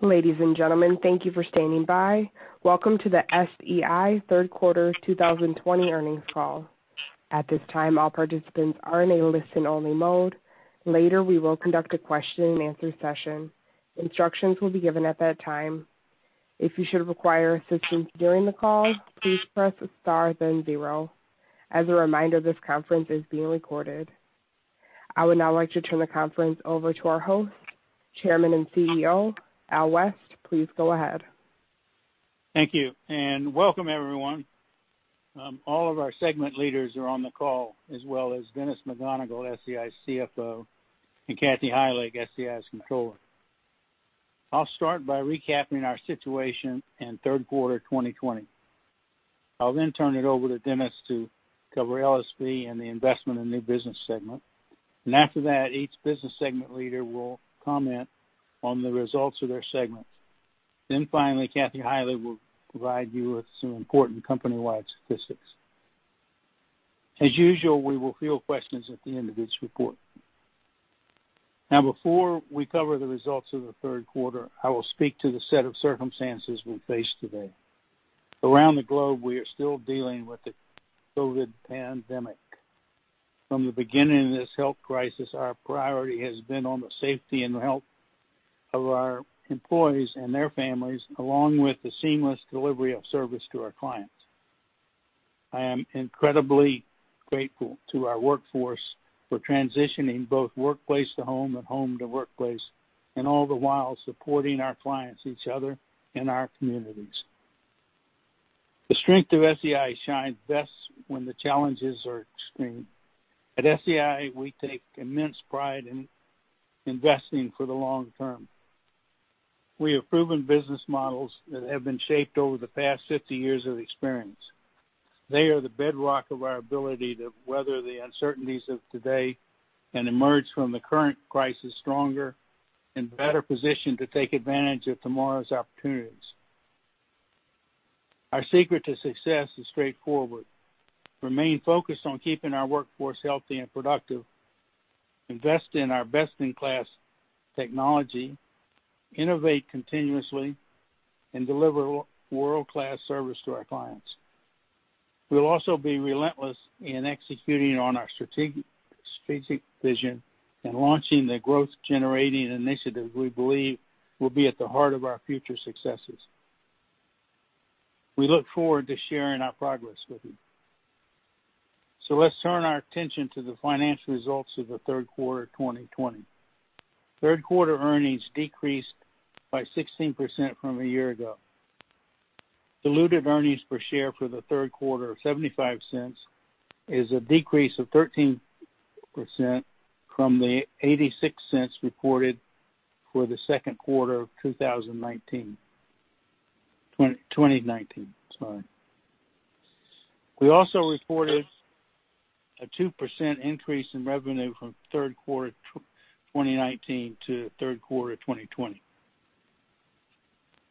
Ladies and gentlemen, thank you for standing by. Welcome to the SEI Third Quarter 2020 Earnings Call. At this time, all participants are in a listen-only mode. Later, we will conduct a question and answer session. Instructions will be given at that time. If you should require assistance during the call, please press star then zero. As a reminder, this conference is being recorded. I would now like to turn the conference over to our host, Chairman and CEO, Al West. Please go ahead. Thank you. Welcome everyone. All of our segment leaders are on the call, as well as Dennis McGonigle, SEI's CFO, and Kathy Heilig, SEI's Controller. I'll start by recapping our situation in third quarter 2020. I'll then turn it over to Dennis to cover LSV and the Investment in New Business segment. After that, each business segment leader will comment on the results of their segment. Finally, Kathy Heilig will provide you with some important company-wide statistics. As usual, we will field questions at the end of this report. Before we cover the results of the third quarter, I will speak to the set of circumstances we face today. Around the globe, we are still dealing with the COVID pandemic. From the beginning of this health crisis, our priority has been on the safety and health of our employees and their families, along with the seamless delivery of service to our clients. I am incredibly grateful to our workforce for transitioning both workplace to home and home to workplace, and all the while supporting our clients, each other, and our communities. The strength of SEI shines best when the challenges are extreme. At SEI, we take immense pride in investing for the long term. We have proven business models that have been shaped over the past 50 years of experience. They are the bedrock of our ability to weather the uncertainties of today and emerge from the current crisis stronger and better positioned to take advantage of tomorrow's opportunities. Our secret to success is straightforward: remain focused on keeping our workforce healthy and productive, invest in our best-in-class technology, innovate continuously, and deliver world-class service to our clients. We'll also be relentless in executing on our strategic vision and launching the growth-generating initiatives we believe will be at the heart of our future successes. We look forward to sharing our progress with you. Let's turn our attention to the financial results of the third quarter 2020. Third quarter earnings decreased by 16% from a year ago. Diluted earnings per share for the third quarter of $0.75 is a decrease of 13% from the $0.86 reported for the second quarter of 2019. We also reported a 2% increase in revenue from third quarter 2019 to third quarter 2020.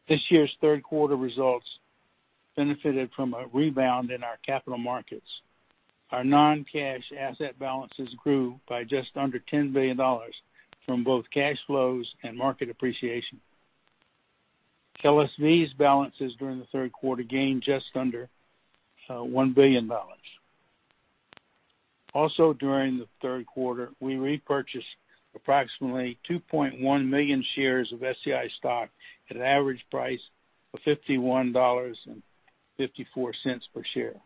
This year's third quarter results benefited from a rebound in our capital markets. Our non-cash asset balances grew by just under $10 billion from both cash flows and market appreciation. LSV's balances during the third quarter gained just under $1 billion. During the third quarter, we repurchased approximately 2.1 million shares of SEI stock at an average price of $51.54 per share.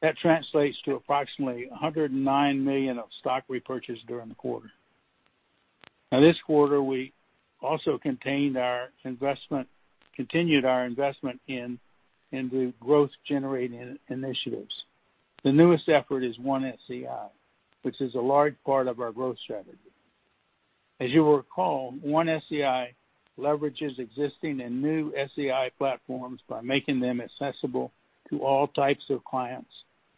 That translates to approximately $109 million of stock repurchased during the quarter. This quarter, we also continued our investment into growth-generating initiatives. The newest effort is One SEI, which is a large part of our growth strategy. As you recall, One SEI leverages existing and new SEI platforms by making them accessible to all types of clients,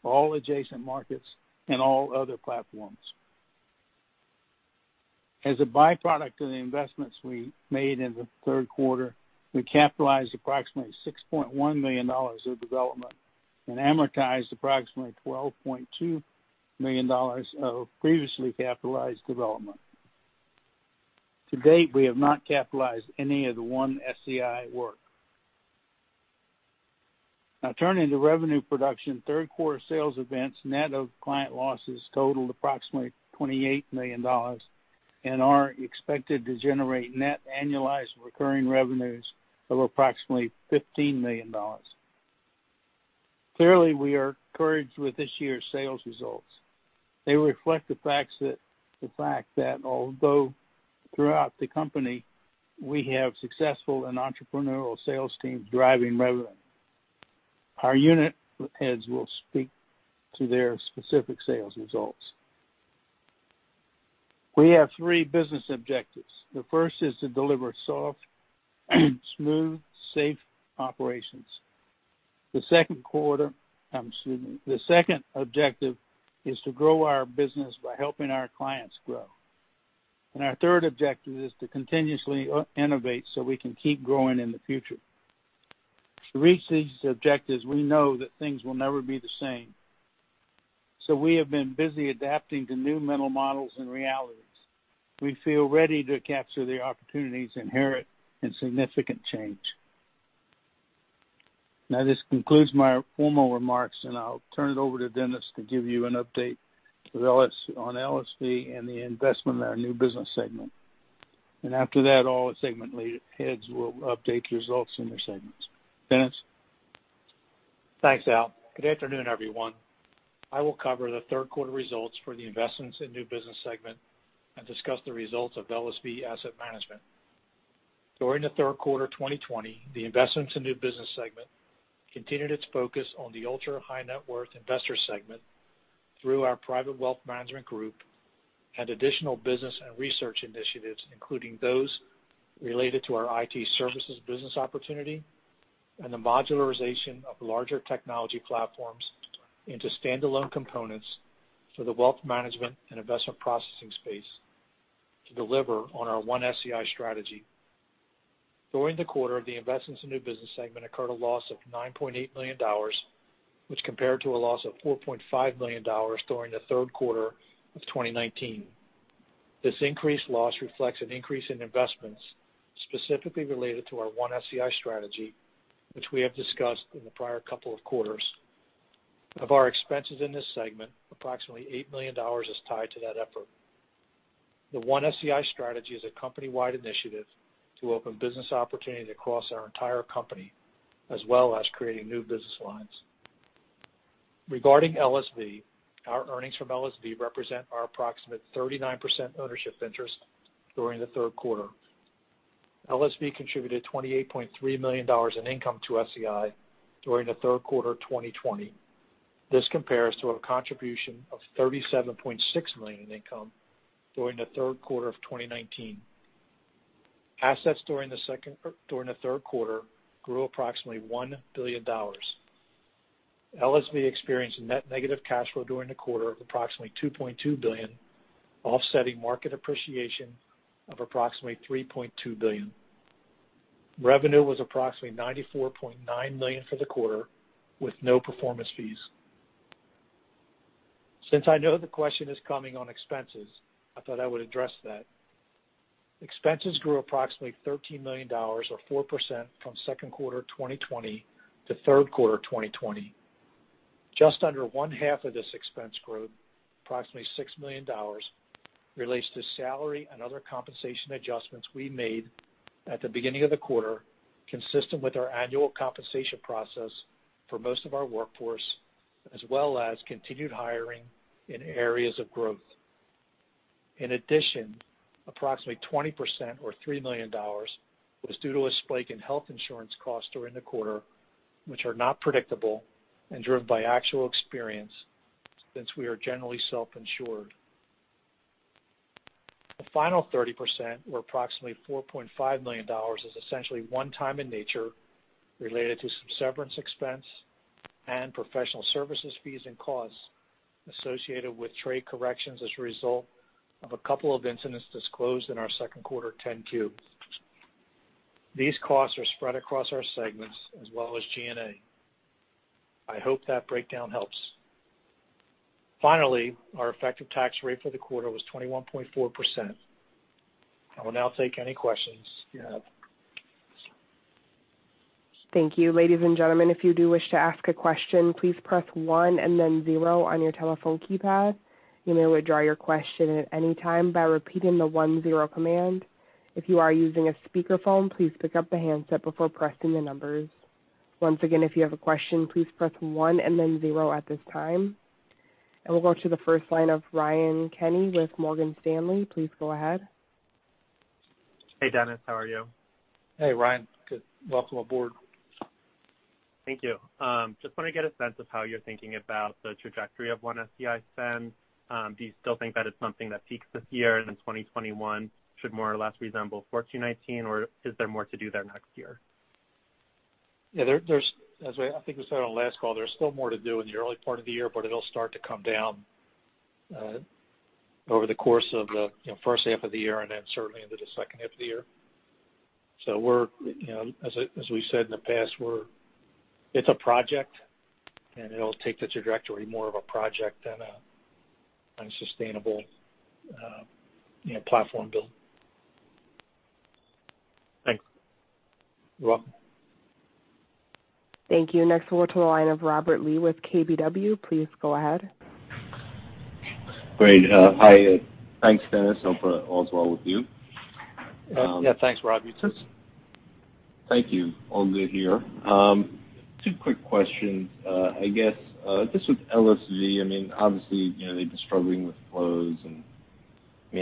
all adjacent markets, and all other platforms. As a byproduct of the investments we made in the third quarter, we capitalized approximately $6.1 million of development and amortized approximately $12.2 million of previously capitalized development. To date, we have not capitalized any of the One SEI work. Now turning to revenue production, third quarter sales events net of client losses totaled approximately $28 million and are expected to generate net annualized recurring revenues of approximately $15 million. Clearly, we are encouraged with this year's sales results. They reflect the fact that although throughout the company we have successful and entrepreneurial sales teams driving revenue. Our unit heads will speak to their specific sales results. We have three business objectives. The first is to deliver soft and smooth, safe operations. The second objective is to grow our business by helping our clients grow. Our third objective is to continuously innovate so we can keep growing in the future. To reach these objectives, we know that things will never be the same. We have been busy adapting to new mental models and realities. We feel ready to capture the opportunities inherent in significant change. This concludes my formal remarks, and I'll turn it over to Dennis to give you an update on LSV and the investment in our new business segment. After that, all segment heads will update the results in their segments. Dennis? Thanks, Al. Good afternoon, everyone. I will cover the third quarter results for the Investments in New Business Segment and discuss the results of LSV Asset Management. During the third quarter 2020, the Investments in New Business Segment continued its focus on the ultra-high net worth investor segment through our private wealth management group and additional business and research initiatives, including those related to our IT services business opportunity and the modularization of larger technology platforms into standalone components for the wealth management and investment processing space to deliver on our One SEI strategy. During the quarter, the Investments in New Business Segment incurred a loss of $9.8 million, which compared to a loss of $4.5 million during the third quarter of 2019. This increased loss reflects an increase in investments specifically related to our One SEI strategy, which we have discussed in the prior couple of quarters. Of our expenses in this segment, approximately $8 million is tied to that effort. The One SEI strategy is a company-wide initiative to open business opportunities across our entire company, as well as creating new business lines. Regarding LSV, our earnings from LSV represent our approximate 39% ownership interest during the third quarter. LSV contributed $28.3 million in income to SEI during the third quarter 2020. This compares to a contribution of $37.6 million in income during the third quarter of 2019. Assets during the third quarter grew approximately $1 billion. LSV experienced net negative cash flow during the quarter of approximately $2.2 billion, offsetting market appreciation of approximately $3.2 billion. Revenue was approximately $94.9 million for the quarter with no performance fees. Since I know the question is coming on expenses, I thought I would address that. Expenses grew approximately $13 million, or 4%, from second quarter 2020 to third quarter 2020. Just under 1/2 of this expense growth, approximately $6 million, relates to salary and other compensation adjustments we made at the beginning of the quarter, consistent with our annual compensation process for most of our workforce, as well as continued hiring in areas of growth. In addition, approximately 20%, or $3 million, was due to a spike in health insurance costs during the quarter, which are not predictable and driven by actual experience, since we are generally self-insured. The final 30%, or approximately $4.5 million, is essentially one time in nature related to some severance expense and professional services fees and costs associated with trade corrections as a result of a couple of incidents disclosed in our second quarter 10-Q. These costs are spread across our segments as well as G&A. I hope that breakdown helps. Finally, our effective tax rate for the quarter was 21.4%. I will now take any questions you have. Thank you. Ladies and gentlemen, if you do wish to ask a question, please press one and then zero on your telephone keypad. You may withdraw your question at any time by repeating the one-zero command. If you are using a speakerphone, please pick up the handset before pressing the numbers. Once again, if you have a question, please press one and then zero at this time. We'll go to the first line of Ryan Kenney with Morgan Stanley. Please go ahead. Hey, Dennis. How are you? Hey, Ryan. Good. Welcome aboard. Thank you. Want to get a sense of how you're thinking about the trajectory of One SEI spend. Do you still think that it's something that peaks this year then 2021 should more or less resemble 14, 19, or is there more to do there next year? Yeah. I think we said on the last call, there's still more to do in the early part of the year, but it'll start to come down over the course of the first half of the year and then certainly into the second half of the year. As we said in the past, it's a project, and it'll take the trajectory more of a project than a sustainable platform build. Thanks. You're welcome. Thank you. Next, we'll go to the line of Robert Lee with KBW. Please go ahead. Great. Hi. Thanks, Dennis. Hope all is well with you. Yeah. Thanks, Rob. You too? Thank you. All good here. Two quick questions. I guess, just with LSV, obviously, they've been struggling with flows and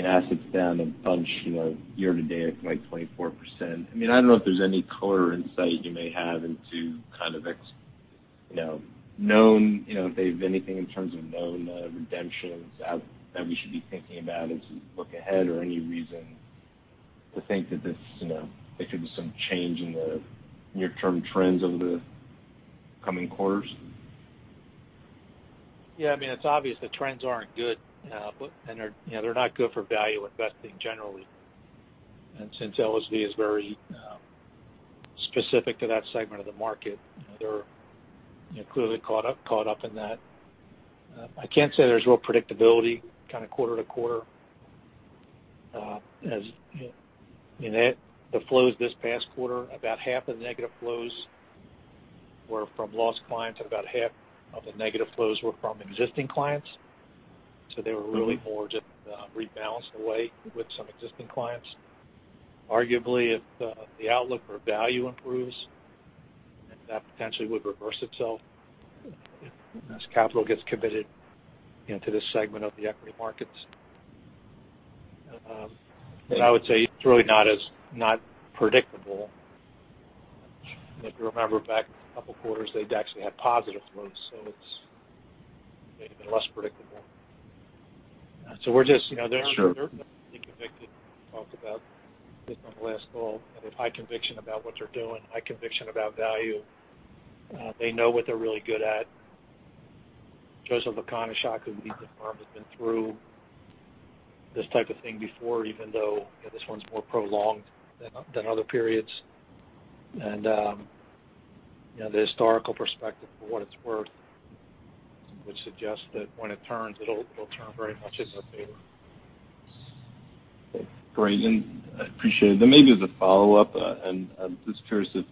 assets down a bunch year to date, like 24%. I don't know if there's any color or insight you may have into if they have anything in terms of known redemptions out that we should be thinking about as we look ahead, or any reason to think that there could be some change in the near-term trends over the coming quarters? Yeah. It's obvious the trends aren't good. They're not good for value investing generally. Since LSV is very specific to that segment of the market. They're clearly caught up in that. I can't say there's real predictability kind of quarter to quarter. In that, the flows this past quarter, about half of the negative flows were from lost clients, and about half of the negative flows were from existing clients. They were really more just rebalanced away with some existing clients. Arguably, if the outlook for value improves, then that potentially would reverse itself as capital gets committed into this segment of the equity markets. I would say it's really not predictable. If you remember back a couple of quarters, they'd actually had positive flows, so it's maybe been less predictable. Sure. They're convicted, we talked about this on the last call. They have high conviction about what they're doing, high conviction about value. They know what they're really good at. Josef Lakonishok, who leads the firm, has been through this type of thing before, even though this one's more prolonged than other periods. The historical perspective, for what it's worth, would suggest that when it turns, it'll turn very much in their favor. Okay. Great, I appreciate it. Maybe as a follow-up, I'm just curious if,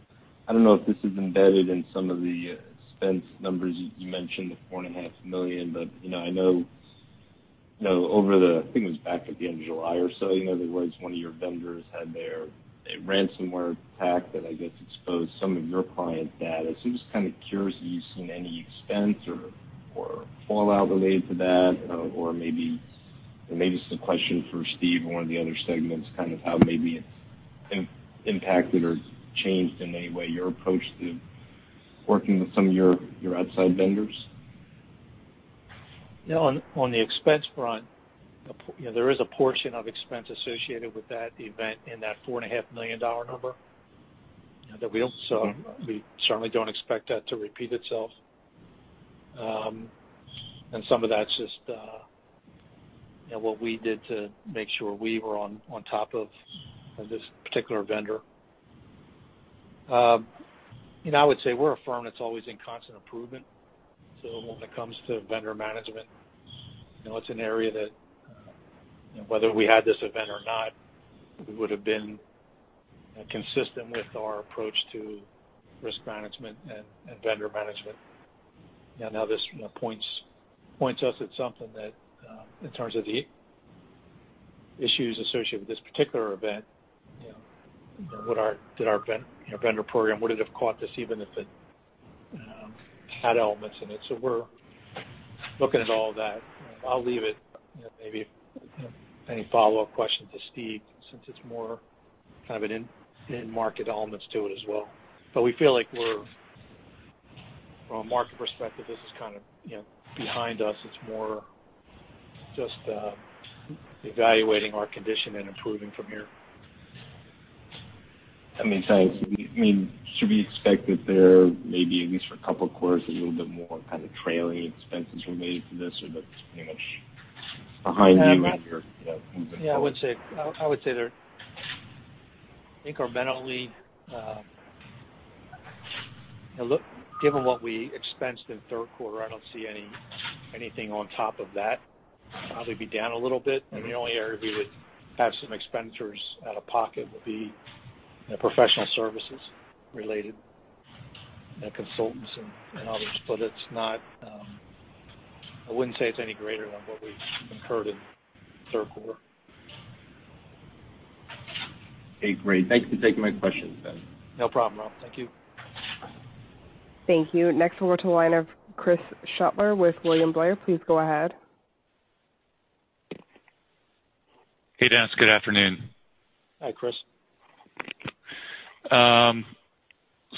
I don't know if this is embedded in some of the expense numbers you mentioned, the $4.5 million. I know over the, I think it was back at the end of July or so, in other words, one of your vendors had their ransomware attack that, I guess, exposed some of your client data. Just kind of curious if you've seen any expense or fallout related to that. Maybe this is a question for Steve or one of the other segments, kind of how maybe it's impacted or changed in any way your approach to working with some of your outside vendors. Yeah, on the expense front, there is a portion of expense associated with that event in that $4.5 million number. We certainly don't expect that to repeat itself. Some of that's just what we did to make sure we were on top of this particular vendor. I would say we're a firm that's always in constant improvement. When it comes to vendor management, it's an area that whether we had this event or not, we would've been consistent with our approach to risk management and vendor management. Now this points us at something that in terms of the issues associated with this particular event, did our vendor program, would it have caught this even if it had elements in it? We're looking at all of that. I'll leave it, maybe any follow-up question to Steve since it's more kind of in market elements to it as well. We feel like we're, from a market perspective, this is kind, you know, of behind us. It's more just evaluating our condition and improving from here. Thanks. I mean, should we expect that there may be, at least for a couple of quarters, a little bit more kind of trailing expenses related to this, or that it's pretty much behind you and you're moving forward? Yeah, I would say they're incrementally. Given what we expensed in the third quarter, I don't see anything on top of that. Probably be down a little bit. The only area we would have some expenditures out of pocket would be professional services related, consultants and others. I wouldn't say it's any greater than what we've incurred in the third quarter. Okay, great. Thanks for taking my questions then. No problem, Rob. Thank you. Thank you. Next, over to the line of Chris Shutler with William Blair. Please go ahead. Hey, Dennis. Good afternoon. Hi, Chris.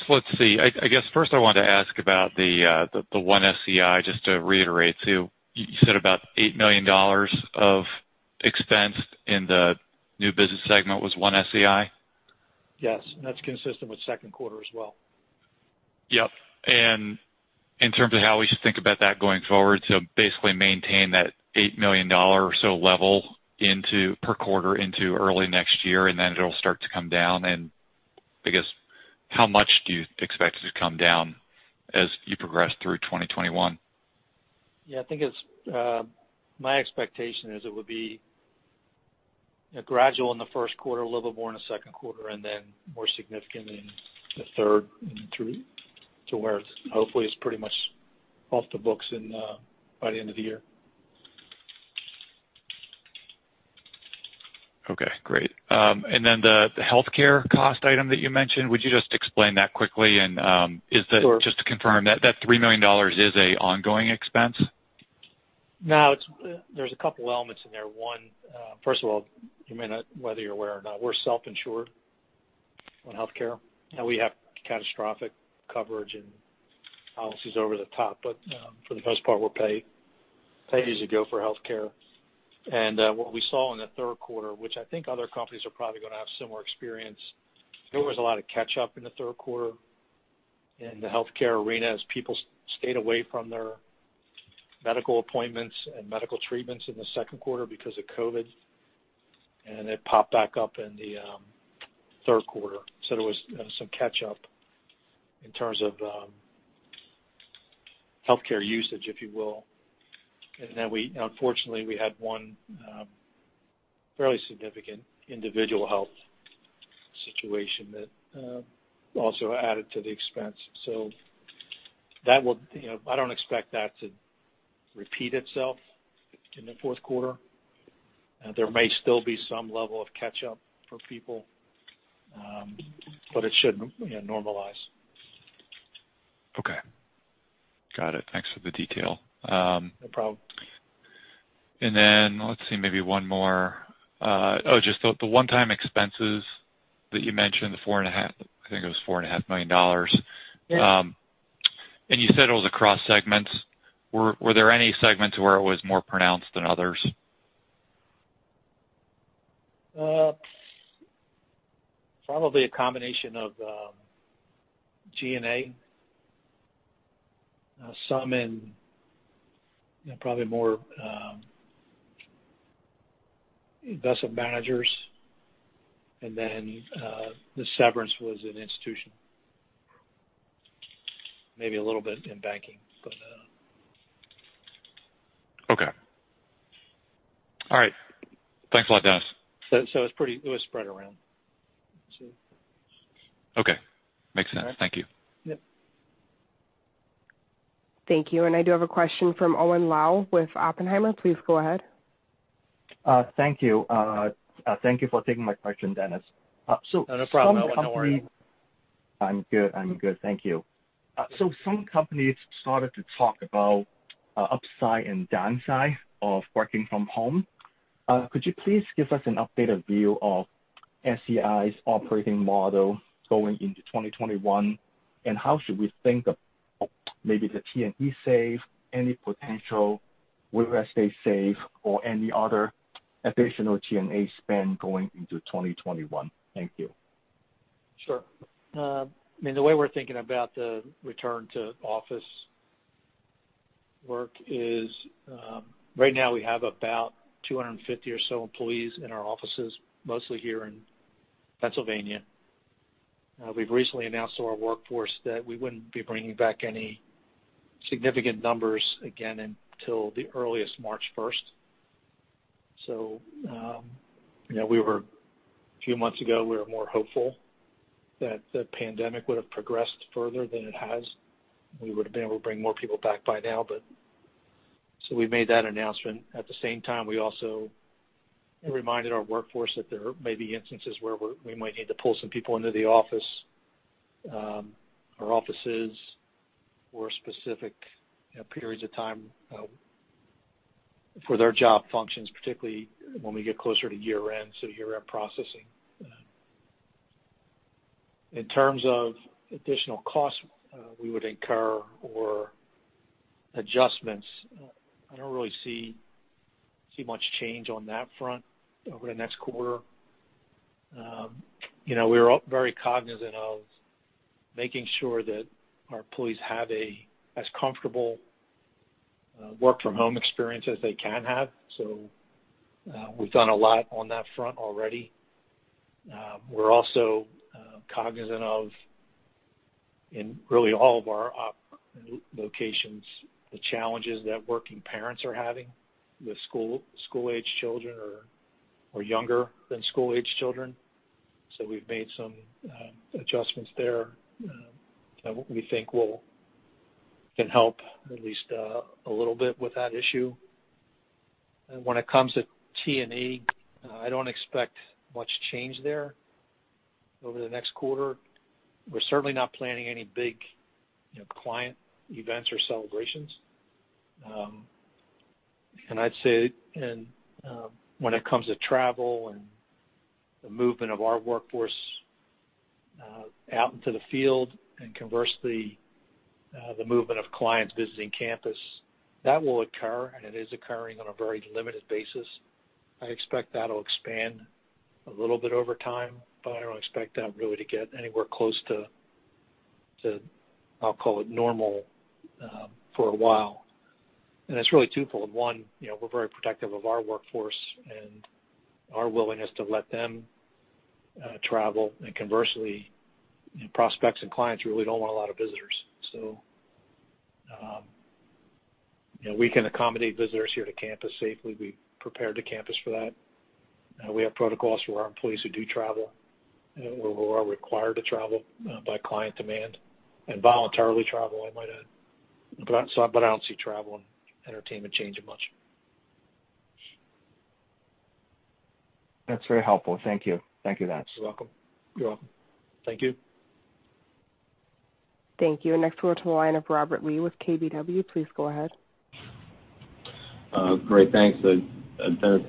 Let's see. I guess first I wanted to ask about the One SEI, just to reiterate too. You said about $8 million of expense in the new business segment was One SEI? Yes, that's consistent with second quarter as well. Yep. In terms of how we should think about that going forward, so basically maintain that $8 million or so level per quarter into early next year, and then it'll start to come down and I guess, how much do you expect it to come down as you progress through 2021? Yeah, I think my expectation is it would be gradual in the first quarter, a little bit more in the second quarter, and then more significant in the third and through to where hopefully it's pretty much off the books by the end of the year. Okay, great. The healthcare cost item that you mentioned, would you just explain that quickly? Sure. Just to confirm that that $3 million is a ongoing expense? No. There's a couple elements in there. First of all, you may not, whether you're aware or not, we're self-insured on healthcare. We have catastrophic coverage and policies over the top. For the most part, we're pay-as-you-go for healthcare. What we saw in the third quarter, which I think other companies are probably going to have similar experience, there was a lot of catch up in the third quarter in the healthcare arena as people stayed away from their medical appointments and medical treatments in the second quarter because of COVID, and it popped back up in the third quarter. There was some catch-up in terms of healthcare usage, if you will. Unfortunately, we had one fairly significant individual health situation that also added to the expense. You know, I don't expect that to repeat itself in the fourth quarter. There may still be some level of catch-up for people, but it should normalize. Okay. Got it. Thanks for the detail. No problem. Let's see, maybe one more. Oh, just the one-time expenses that you mentioned, I think it was $4.5 million. Yes. You said it was across segments. Were there any segments where it was more pronounced than others? Probably a combination of G&A. Some in probably more investment managers, and then the severance was in Institutional. Maybe a little bit in Banking. Okay. All right. Thanks a lot, Dennis. It was spread around. Okay. Makes sense. Thank you. Yep. Thank you. I do have a question from Owen Lau with Oppenheimer. Please go ahead. Thank you. Thank you for taking my question, Dennis. Oh, no problem, Owen. How are you? I'm good. Thank you. Some companies started to talk about upside and downside of working from home. Could you please give us an updated view of SEI's operating model going into 2021, and how should we think of maybe the T&E save, any potential workspace save, or any other additional TNA spend going into 2021? Thank you. Sure. I mean, the way we're thinking about the return to office work is right now we have about 250 or so employees in our offices, mostly here in Pennsylvania. We've recently announced to our workforce that we wouldn't be bringing back any significant numbers again until the earliest March 1st. A few months ago, we were more hopeful that the pandemic would have progressed further than it has. We would have been able to bring more people back by now, so we made that announcement. At the same time, we also reminded our workforce that there may be instances where we might need to pull some people into our offices for specific periods of time for their job functions, particularly when we get closer to year-end, so year-end processing. In terms of additional costs we would incur or adjustments, I don't really see much change on that front over the next quarter. We're very cognizant of making sure that our employees have as comfortable work from home experience as they can have. We've done a lot on that front already. We're also cognizant of, in really all of our locations, the challenges that working parents are having with school-aged children or younger than school-aged children. We've made some adjustments there that we think can help at least a little bit with that issue. When it comes to T&E, I don't expect much change there over the next quarter. We're certainly not planning any big client events or celebrations. I'd say when it comes to travel and the movement of our workforce out into the field, and conversely, the movement of clients visiting campus, that will occur, and it is occurring on a very limited basis. I expect that'll expand a little bit over time, but I don't expect that really to get anywhere close to, I'll call it normal, for a while. It's really twofold. One, we're very protective of our workforce and our willingness to let them travel. Conversely, prospects and clients really don't want a lot of visitors. We can accommodate visitors here to campus safely. We prepared the campus for that. We have protocols for our employees who do travel or who are required to travel by client demand and voluntarily travel, I might add. I don't see travel and entertainment changing much. That's very helpful. Thank you. Thank you, Dennis. You're welcome. Thank you. Thank you. Next, we'll go to the line of Robert Lee with KBW. Please go ahead. Great. Thanks. Dennis,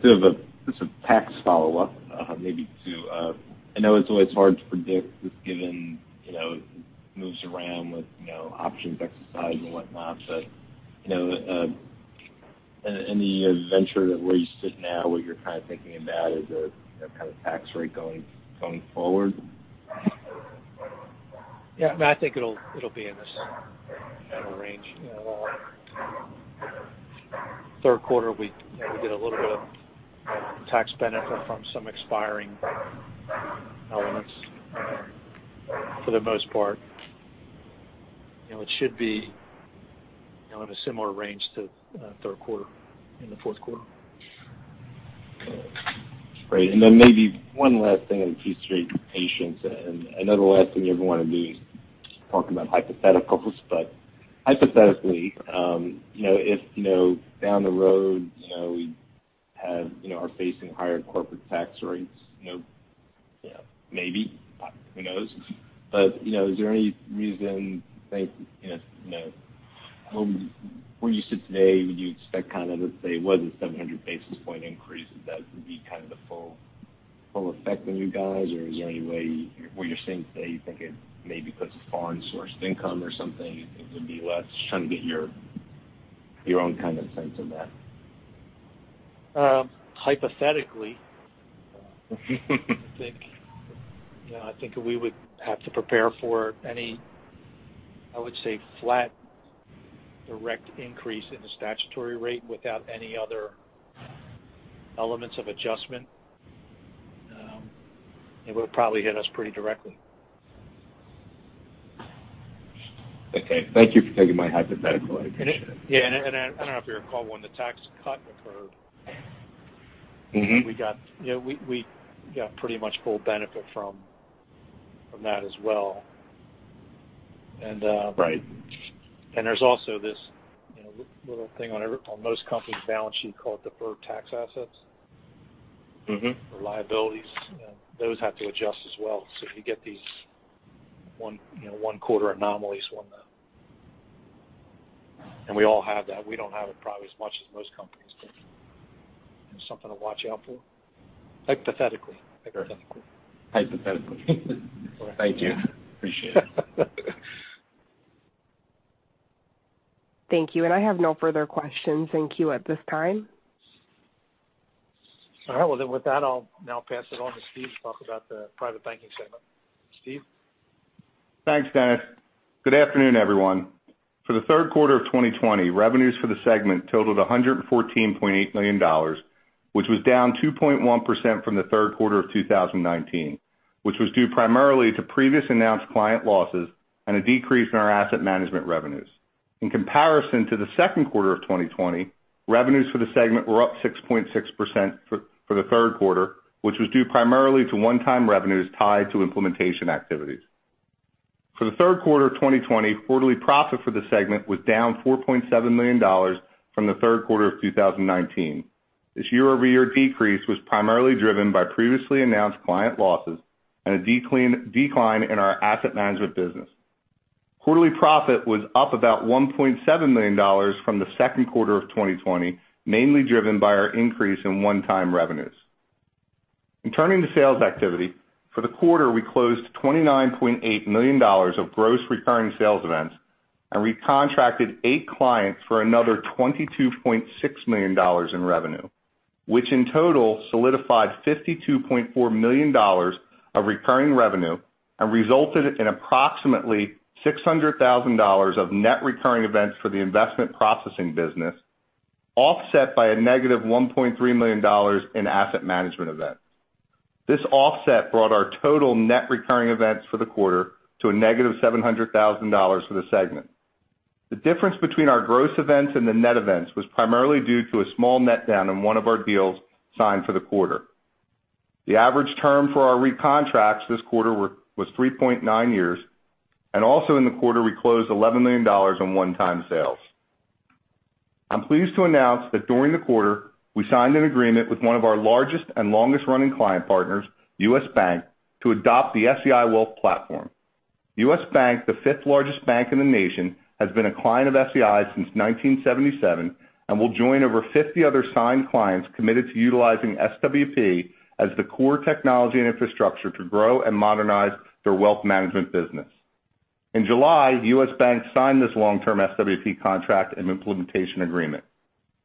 just a tax follow-up. I know it's always hard to predict just given moves around with options exercise and whatnot, but any venture where you sit now, what you're kind of thinking about as a kind of tax rate going forward? I think it'll be in this general range. Third quarter, we get a little bit of tax benefit from some expiring elements, for the most part. It should be in a similar range to third quarter in the fourth quarter. Great. Then maybe one last thing, and to treat patients, and I know the last thing you ever want to be talking about hypotheticals. Hypothetically, if down the road we are facing higher corporate tax rates, maybe, who knows? Is there any reason, think, where you sit today, would you expect let's say it was a 700 basis point increase, that that would be the full effect on you guys? Or is there any way, where you're sitting today, you think it maybe puts foreign sourced income or something, you think it would be less? Trying to get your own sense of that. I think we would have to prepare for any, I would say, flat direct increase in the statutory rate without any other elements of adjustment. It would probably hit us pretty directly. Thank you for taking my hypothetical. I appreciate it. Yeah. I don't know if you recall, when the tax cut occurred— Mm-hmm. you know, we got pretty much full benefit from that as well. Right. There's also this little thing on most companies' balance sheet called deferred tax assets. Mm-hmm. Liabilities. Those have to adjust as well. You get these one quarter anomalies on the. We all have that. We don't have it probably as much as most companies, but it's something to watch out for. Hypothetically. Hypothetically. Thank you. Appreciate it. Thank you. I have no further questions thank you at this time. All right. Well with that, I'll now pass it on to Steve to talk about the Private Banking segment. Steve? Thanks, Dennis. Good afternoon, everyone. For the third quarter of 2020, revenues for the segment totaled $114.8 million, which was down 2.1% from the third quarter of 2019, which was due primarily to previous announced client losses and a decrease in our asset management revenues. In comparison to the second quarter of 2020, revenues for the segment were up 6.6% for the third quarter, which was due primarily to one-time revenues tied to implementation activities. For the third quarter of 2020, quarterly profit for the segment was down $4.7 million from the third quarter of 2019. This year-over-year decrease was primarily driven by previously announced client losses and a decline in our asset management business. Quarterly profit was up about $1.7 million from the second quarter of 2020, mainly driven by our increase in one-time revenues. In turning to sales activity, for the quarter, we closed $29.8 million of gross recurring sales events. We contracted eight clients for another $22.6 million in revenue, which in total solidified $52.4 million of recurring revenue and resulted in approximately $600,000 of net recurring events for the investment processing business, offset by a negative $1.3 million in asset management events. This offset brought our total net recurring events for the quarter to a negative $700,000 for the segment. The difference between our gross events and the net events was primarily due to a small net down in one of our deals signed for the quarter. The average term for our recontracts this quarter was 3.9 years. Also in the quarter, we closed $11 million in one-time sales. I'm pleased to announce that during the quarter, we signed an agreement with one of our largest and longest-running client partners, U.S. Bank, to adopt the SEI Wealth Platform. U.S. Bank, the fifth largest bank in the nation, has been a client of SEI since 1977 and will join over 50 other signed clients committed to utilizing SWP as the core technology and infrastructure to grow and modernize their wealth management business. In July, U.S. Bank signed this long-term SWP contract and implementation agreement.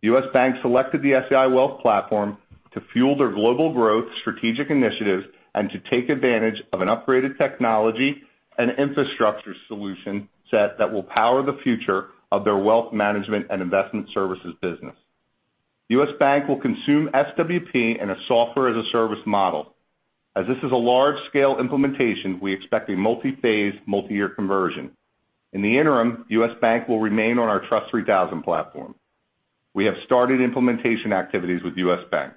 U.S. Bank selected the SEI Wealth Platform to fuel their global growth strategic initiatives and to take advantage of an upgraded technology and infrastructure solution set that will power the future of their wealth management and investment services business. U.S. Bank will consume SWP in a software as a service model. As this is a large-scale implementation, we expect a multi-phase, multi-year conversion. In the interim, U.S. Bank will remain on our TRUST 3000 platform. We have started implementation activities with U.S. Bank.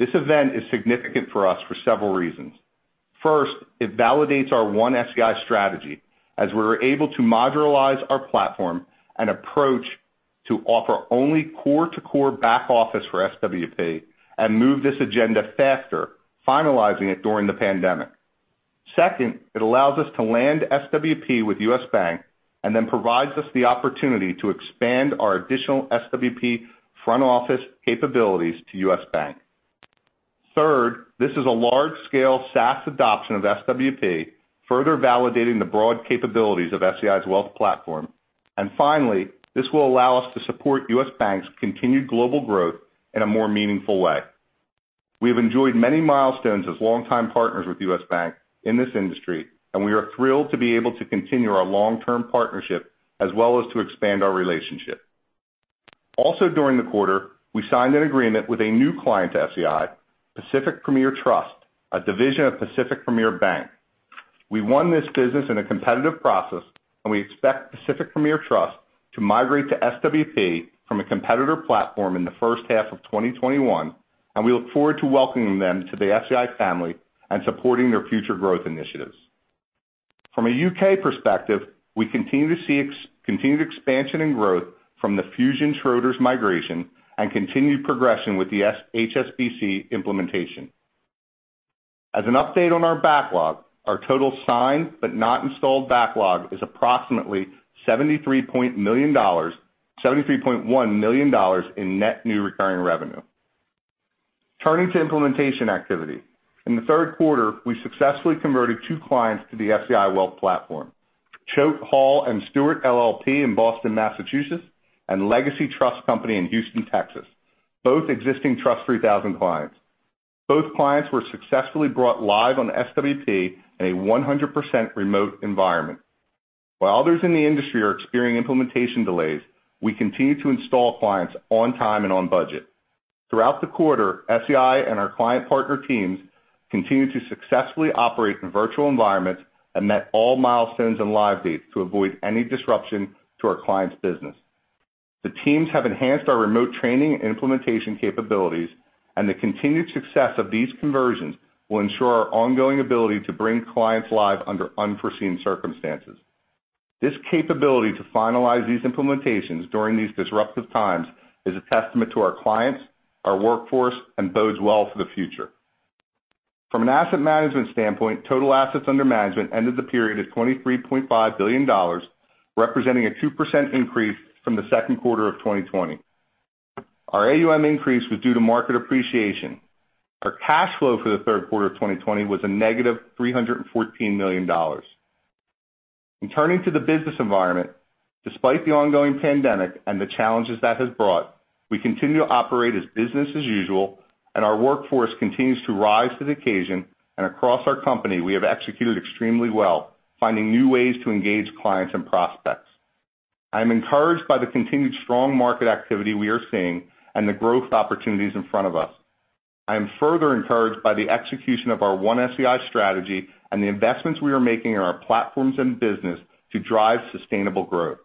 This event is significant for us for several reasons. First, it validates our One SEI strategy as we were able to modularize our platform and approach to offer only core-to-core back office for SWP and move this agenda faster, finalizing it during the pandemic. Second, it allows us to land SWP with U.S. Bank and then provides us the opportunity to expand our additional SWP front office capabilities to U.S. Bank. Third, this is a large-scale SaaS adoption of SWP, further validating the broad capabilities of SEI's Wealth Platform. Finally, this will allow us to support U.S. Bank's continued global growth in a more meaningful way. We have enjoyed many milestones as longtime partners with U.S. Bank in this industry, and we are thrilled to be able to continue our long-term partnership as well as to expand our relationship. Also, during the quarter, we signed an agreement with a new client to SEI, Pacific Premier Trust, a division of Pacific Premier Bank. We won this business in a competitive process, and we expect Pacific Premier Trust to migrate to SWP from a competitor platform in the first half of 2021, and we look forward to welcoming them to the SEI family and supporting their future growth initiatives. From a U.K. perspective, we continue to see continued expansion and growth from the Fusion Schroders migration and continued progression with the HSBC implementation. As an update on our backlog, our total signed but not installed backlog is approximately $73.1 million in net new recurring revenue. Turning to implementation activity. In the third quarter, we successfully converted two clients to the SEI Wealth Platform. Choate, Hall & Stewart LLP in Boston, Massachusetts, and Legacy Trust Company in Houston, Texas, both existing TRUST 3000 clients. Both clients were successfully brought live on SWP in a 100% remote environment. While others in the industry are experiencing implementation delays, we continue to install clients on time and on budget. Throughout the quarter, SEI and our client partner teams continued to successfully operate in virtual environments and met all milestones and live dates to avoid any disruption to our clients' business. The teams have enhanced our remote training and implementation capabilities, and the continued success of these conversions will ensure our ongoing ability to bring clients live under unforeseen circumstances. This capability to finalize these implementations during these disruptive times is a testament to our clients, our workforce, and bodes well for the future. From an asset management standpoint, total assets under management ended the period at $23.5 billion, representing a 2% increase from the second quarter of 2020. Our AUM increase was due to market appreciation. Our cash flow for the third quarter of 2020 was a -$314 million. In turning to the business environment, despite the ongoing pandemic and the challenges that has brought, we continue to operate as business as usual, and our workforce continues to rise to the occasion, and across our company, we have executed extremely well, finding new ways to engage clients and prospects. I am encouraged by the continued strong market activity we are seeing and the growth opportunities in front of us. I am further encouraged by the execution of our One SEI strategy and the investments we are making in our platforms and business to drive sustainable growth.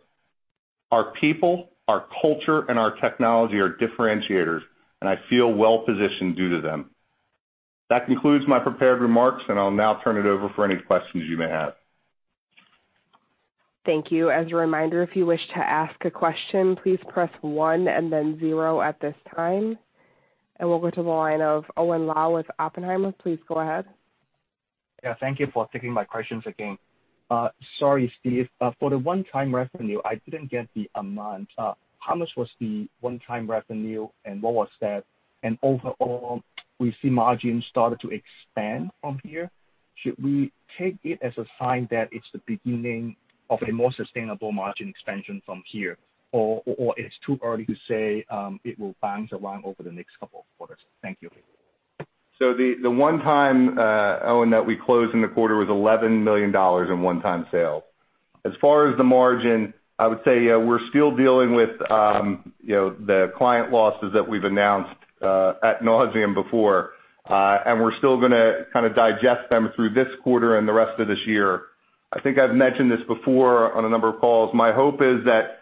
Our people, our culture, and our technology are differentiators, and I feel well-positioned due to them. That concludes my prepared remarks, and I'll now turn it over for any questions you may have. Thank you as a reminder, if you wish to ask a question, please press one then zero at this time. And we'll go to the line of Owen Lau with Oppenheimer. Please go ahead. Yeah, thank you for taking my questions again. Sorry, Steve. For the one-time revenue, I didn't get the amount. How much was the one-time revenue, and what was that? Overall, we see margins started to expand from here. Should we take it as a sign that it's the beginning of a more sustainable margin expansion from here, or it's too early to say it will bounce along over the next couple of quarters? Thank you. The one-time, Owen, that we closed in the quarter was $11 million in one-time sale. As far as the margin, I would say we're still dealing with, you know, the client losses that we've announced ad nauseam before. We're still going to kind of digest them through this quarter and the rest of this year. I think I've mentioned this before on a number of calls. My hope is that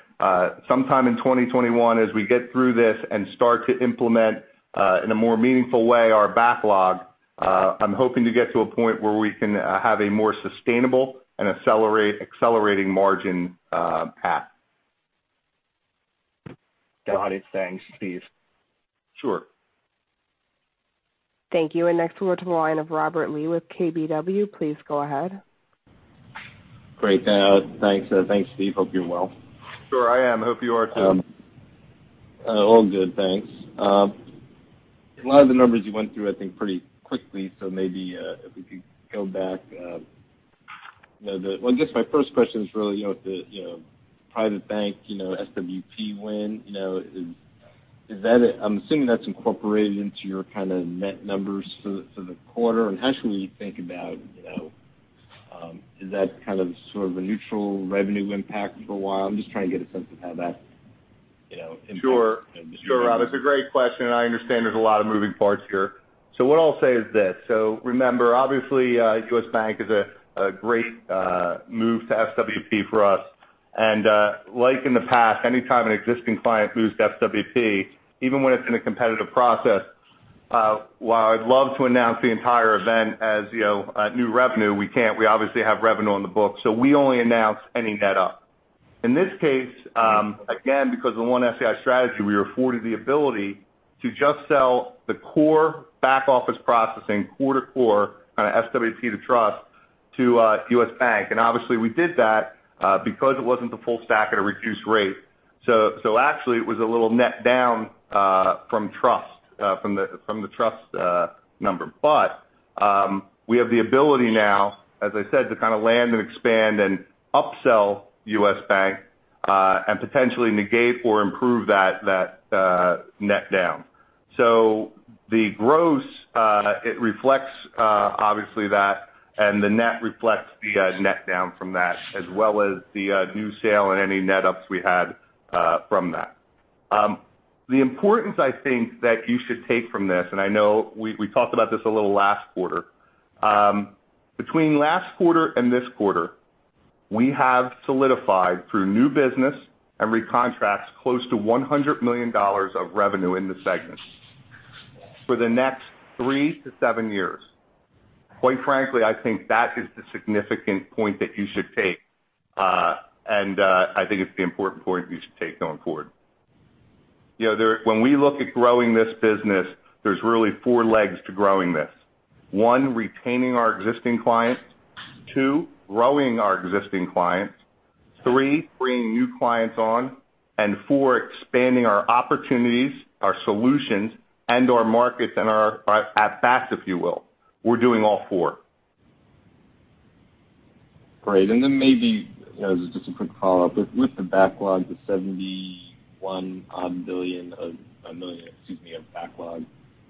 sometime in 2021, as we get through this and start to implement in a more meaningful way our backlog, I'm hoping to get to a point where we can have a more sustainable and accelerating margin path. Got it. Thanks, Steve. Sure. Thank you. Next we'll go to the line of Robert Lee with KBW. Please go ahead. Great. Thanks, Steve. Hope you're well. Sure I am. Hope you are too. All good, thanks. A lot of the numbers you went through, I think pretty quickly, so maybe if we could go back. I guess my first question is really with the, you know, private bank, you know, SWP win. I'm assuming that's incorporated into your kind of net numbers for the quarter. How should we think about, is that kind of sort of a neutral revenue impact for a while? I'm just trying to get a sense of how that impacts. Sure, Rob. It's a great question. I understand there's a lot of moving parts here. What I'll say is this. Remember, obviously, U.S. Bank is a great move to SWP for us. Like in the past, anytime an existing client moves to SWP, even when it's in a competitive process, while I'd love to announce the entire event as new revenue, we can't. We obviously have revenue on the books. We only announce any net up. In this case, again, because of the One SEI strategy, we were afforded the ability to just sell the core back-office processing core to core, kind of SWP to trust to U.S. Bank. Obviously, we did that because it wasn't the full stack at a reduced rate. Actually, it was a little net down from the trust number. We have the ability now, as I said, to kind of land and expand and upsell U.S. Bank and potentially negate or improve that net down. The gross, it reflects, obviously, that, and the net reflects the net down from that, as well as the new sale and any net ups we had from that. The importance, I think, that you should take from this, and I know we talked about this a little last quarter. Between last quarter and this quarter, we have solidified through new business and recontracts close to $100 million of revenue in the segment for the next three to seven years. Quite frankly, I think that is the significant point that you should take. I think it's the important point you should take going forward. When we look at growing this business, there's really four legs to growing this. One, retaining our existing clients. Two, growing our existing clients. Three, bringing new clients on. Four, expanding our opportunities, our solutions, and our markets, and our breadth, if you will. We're doing all four. Great. Maybe, as just a quick follow-up. With the backlog, the $71 million odd, excuse me, of backlog.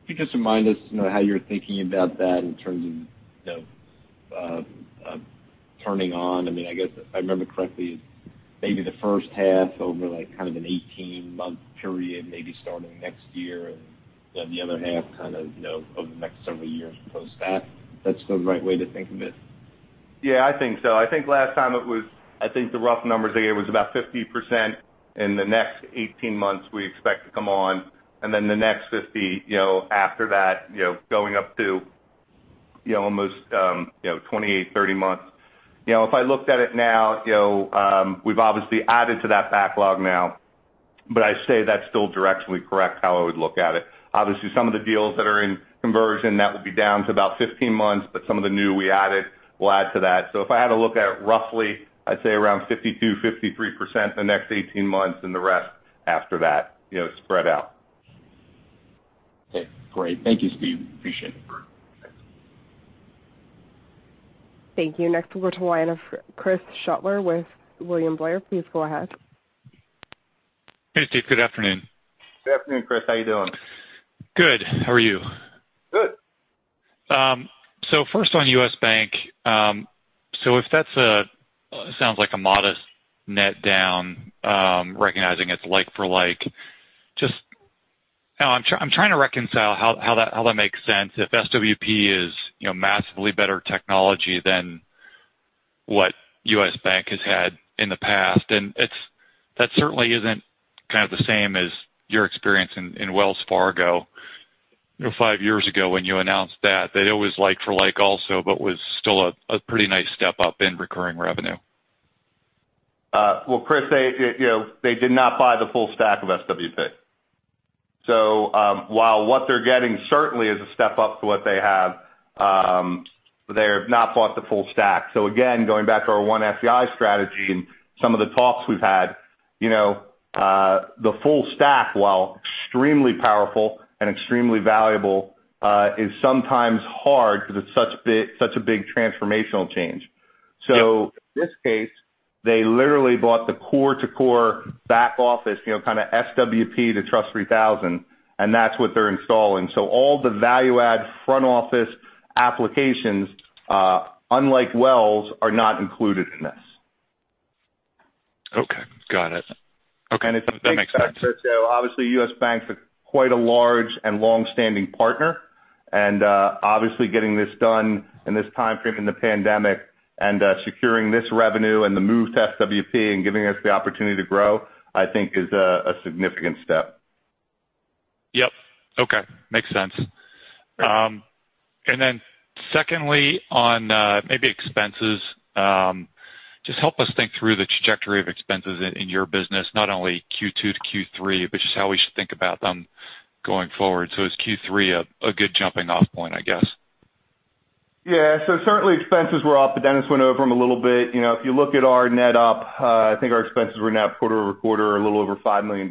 Can you just remind us how you're thinking about that in terms of turning on, I guess if I remember correctly, maybe the first half over an 18-month period, maybe starting next year, and then the other half kind of, you know, next several years post that. That's the right way to think of it? I think so. I think last time it was, I think the rough numbers they gave was about 50% in the next 18 months we expect to come on. Then the next 50%, you know, after that, you know, going up to almost 28-30 months. If I looked at it now, we've obviously added to that backlog now, but I'd say that's still directionally correct how I would look at it. Obviously, some of the deals that are in conversion, that would be down to about 15 months, but some of the new we added will add to that. If I had to look at it roughly, I'd say around 52%-53% the next 18 months, and the rest after that, you know, spread out. Okay, great. Thank you, Steve. Appreciate it. Thank you. Next, we'll go to the line of Chris Shutler with William Blair. Please go ahead. Hey, Steve. Good afternoon. Good afternoon, Chris. How you doing? Good. How are you? Good. First on U.S. Bank. If that's a, sounds like a modest net down, recognizing it's like for like. Just, I'm trying to reconcile how that makes sense if SWP is, you know, massively better technology than what U.S. Bank has had in the past. That certainly isn't the same as your experience in Wells Fargo five years ago when you announced that. That it was like for like also, but was still a pretty nice step up in recurring revenue. Well, Chris, you know, they did not buy the full stack of SWP. While what they're getting certainly is a step up to what they have, they have not bought the full stack. Again, going back to our One SEI strategy and some of the talks we've had. You know, the full stack, while extremely powerful and extremely valuable, is sometimes hard because it's such a big transformational change. Yep. In this case, they literally bought the core to core back office, kind of SWP to TRUST 3000, and that's what they're installing. All the value add front office applications, unlike Wells, are not included in this. Okay. Got it. Okay. That makes sense. It's a big factor. Obviously, U.S. Bank's a quite a large and longstanding partner, and obviously getting this done in this timeframe in the pandemic, and securing this revenue and the move to SWP and giving us the opportunity to grow, I think is a significant step. Yep. Okay. Makes sense. Great. Secondly, on maybe expenses. Just help us think through the trajectory of expenses in your business, not only Q2 to Q3, but just how we should think about them going forward. Is Q3 a good jumping off point, I guess? Yeah. Certainly expenses were up, but Dennis went over them a little bit. You know, if you look at our net up, I think our expenses were now quarter-over-quarter, a little over $5 million.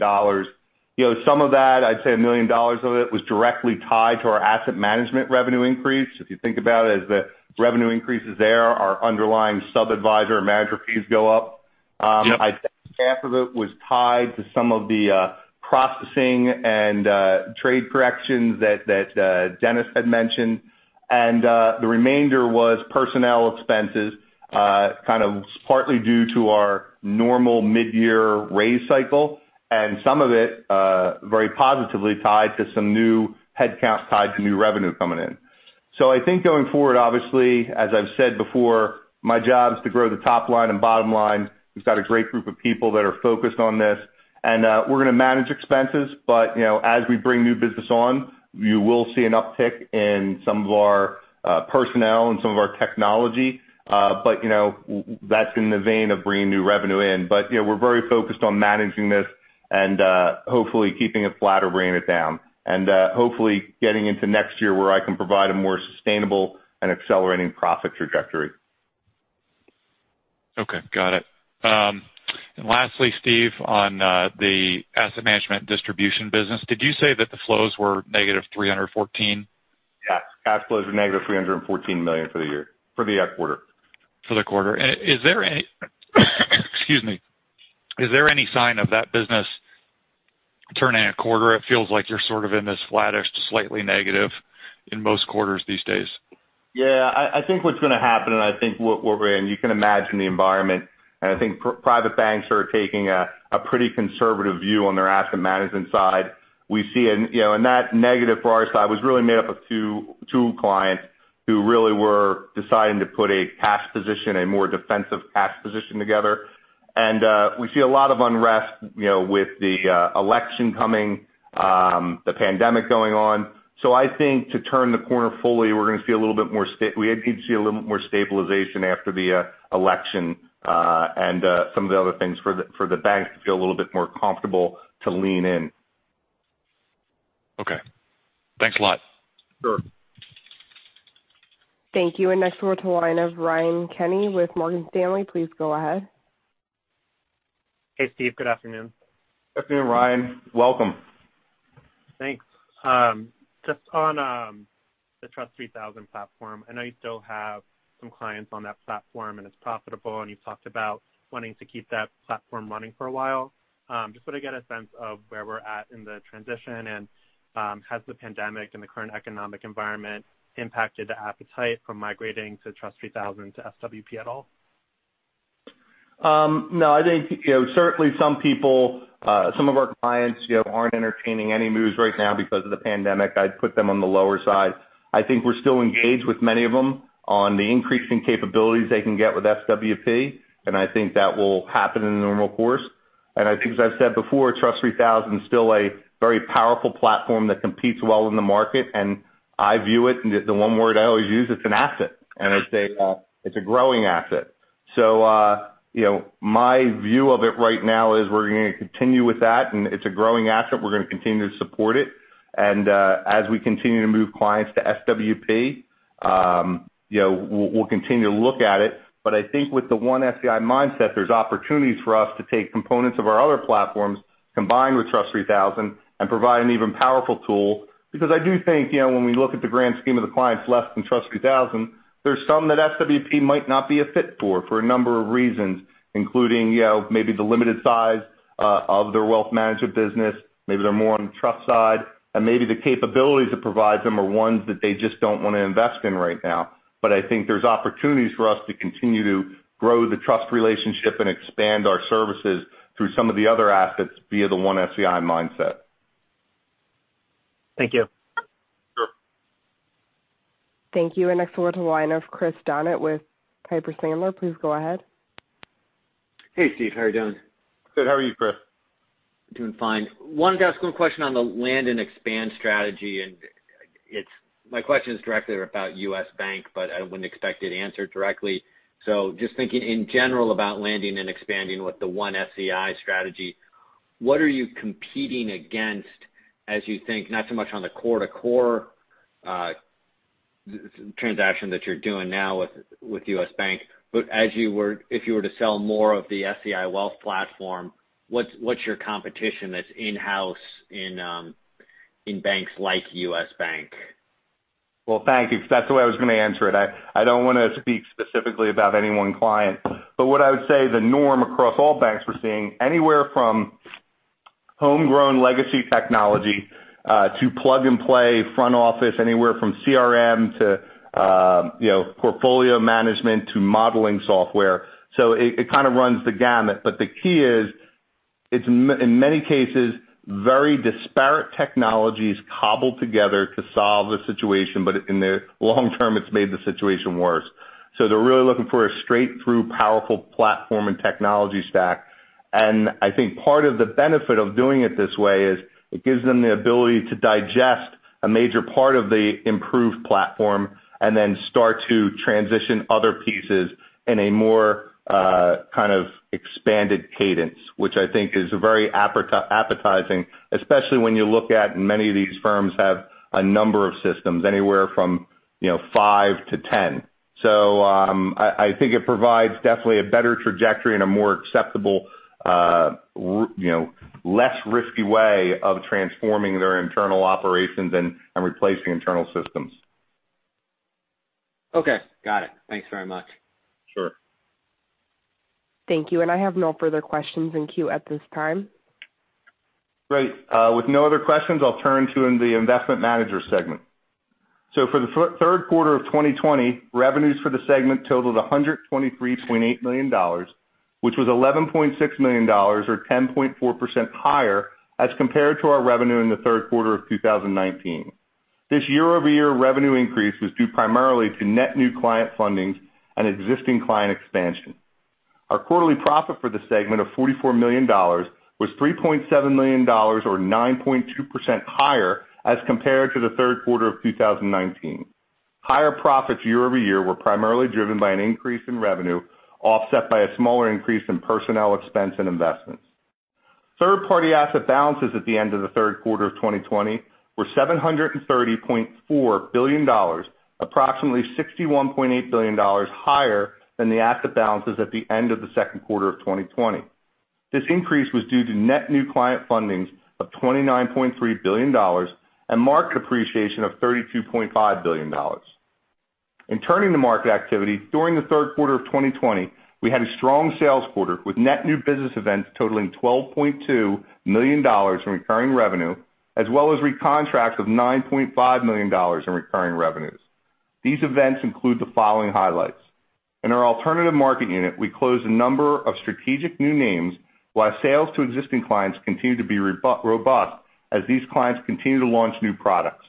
You know, some of that, I’d say $1 million of it was directly tied to our asset management revenue increase. If you think about it, as the revenue increases there, our underlying sub-adviser and manager fees go up. Yep. I'd say half of it was tied to some of the processing and trade corrections that Dennis had mentioned. The remainder was personnel expenses, kind of partly due to our normal mid-year raise cycle, and some of it very positively tied to some new headcount tied to new revenue coming in. So, I think going forward, obviously, as I've said before, my job is to grow the top line and bottom line. We've got a great group of people that are focused on this, and we're going to manage expenses. But, you know, as we bring new business on, you will see an uptick in some of our personnel and some of our technology. That's in the vein of bringing new revenue in. But, we're very focused on managing this and hopefully keeping it flat or bringing it down. Hopefully getting into next year where I can provide a more sustainable and accelerating profit trajectory. Okay. Got it. Lastly, Steve, on the asset management distribution business, did you say that the flows were -$314 million? Yes. Cash flow is -$314 million for the year, for the quarter. For the quarter. Is there any sign of that business turning a quarter? It feels like you're sort of in this flattish to slightly negative in most quarters these days. Yeah. I think what's going to happen, and I think what we're in, you can imagine the environment, and I think private banks are taking a pretty conservative view on their asset management side. We see that negative for our side was really made up of two clients who really were deciding to put a cash position, a more defensive cash position together. We see a lot of unrest, you know, with the election coming, the pandemic going on. I think to turn the corner fully, we need to see a little more stabilization after the election, and some of the other things for the banks to feel a little bit more comfortable to lean in. Okay. Thanks a lot. Sure. Thank you. Next we'll go to the line of Ryan Kenney with Morgan Stanley. Please go ahead. Hey, Steve. Good afternoon. Afternoon, Ryan. Welcome. Thanks. Just on the TRUST 3000 platform, I know you still have some clients on that platform, and it's profitable, and you've talked about wanting to keep that platform running for a while. Just want to get a sense of where we're at in the transition. Has the pandemic and the current economic environment impacted the appetite from migrating to TRUST 3000 to SWP at all? I think certainly some people, some of our clients aren't entertaining any moves right now because of the pandemic. I'd put them on the lower side. I think we're still engaged with many of them on the increasing capabilities they can get with SWP, and I think that will happen in the normal course. I think, as I've said before, TRUST 3000 is still a very powerful platform that competes well in the market, and I view it, and the one word I always use, it's an asset. It's a growing asset. My view of it right now is we're going to continue with that, and it's a growing asset. We're going to continue to support it. As we continue to move clients to SWP, you know, we'll continue to look at it. I think with the One SEI mindset, there's opportunities for us to take components of our other platforms, combine with TRUST 3000, and provide an even powerful tool. I do think, when we look at the grand scheme of the clients left in TRUST 3000, there's some that SWP might not be a fit for a number of reasons, including maybe the limited size of their wealth management business. Maybe they're more on the trust side, and maybe the capabilities it provides them are ones that they just don't want to invest in right now. But, I think there's opportunities for us to continue to grow the trust relationship and expand our services through some of the other assets via the One SEI mindset. Thank you. Sure. Thank you. Next we'll go to the line of Chris Donat with Piper Sandler. Please go ahead. Hey, Steve. How are you doing? Good. How are you, Chris? Doing fine. Wanted to ask one question on the land and expand strategy, and my question is directly about U.S. Bank, but I wouldn't expect an answer directly. Just thinking in general about landing and expanding with the One SEI strategy, what are you competing against as you think, not so much on the core-to-core transaction that you're doing now with U.S. Bank, but if you were to sell more of the SEI Wealth Platform, what's your competition that's in-house in banks like U.S. Bank? Thank you. That's the way I was going to answer it. I don't want to speak specifically about any one client, but what I would say the norm across all banks, we're seeing anywhere from homegrown legacy technology to plug-and-play front office, anywhere from CRM to, you know, portfolio management to modeling software. So, it kind of runs the gamut, but the key is it's, in many cases, very disparate technologies cobbled together to solve the situation, but in the long term, it's made the situation worse. They're really looking for a straight-through powerful platform and technology stack. I think part of the benefit of doing it this way is it gives them the ability to digest a major part of the improved platform and then start to transition other pieces in a more kind of expanded cadence, which I think is very appetizing, especially when you look at many of these firms have a number of systems, anywhere from, you know 5-10. I think it provides definitely a better trajectory and a more acceptable, less risky way of transforming their internal operations and replacing internal systems. Okay. Got it. Thanks very much. Sure. Thank you. I have no further questions in queue at this time. Great. With no other questions, I'll turn to the investment manager segment. For the third quarter of 2020, revenues for the segment totaled $123.8 million, which was $11.6 million, or 10.4% higher as compared to our revenue in the third quarter of 2019. This year-over-year revenue increase was due primarily to net new client fundings and existing client expansion. Our quarterly profit for the segment of $44 million was $3.7 million, or 9.2% higher as compared to the third quarter of 2019. Higher profits year-over-year were primarily driven by an increase in revenue, offset by a smaller increase in personnel expense and investments. Third-party asset balances at the end of the third quarter of 2020 were $730.4 billion, approximately $61.8 billion higher than the asset balances at the end of the second quarter of 2020. This increase was due to net new client fundings of $29.3 billion and market appreciation of $32.5 billion. In turning to market activity, during the third quarter of 2020, we had a strong sales quarter with net new business events totaling $12.2 million in recurring revenue, as well as recontracts of $9.5 million in recurring revenues. These events include the following highlights. In our alternative marketing unit, we closed a number of strategic new names while sales to existing clients continue to be robust as these clients continue to launch new products.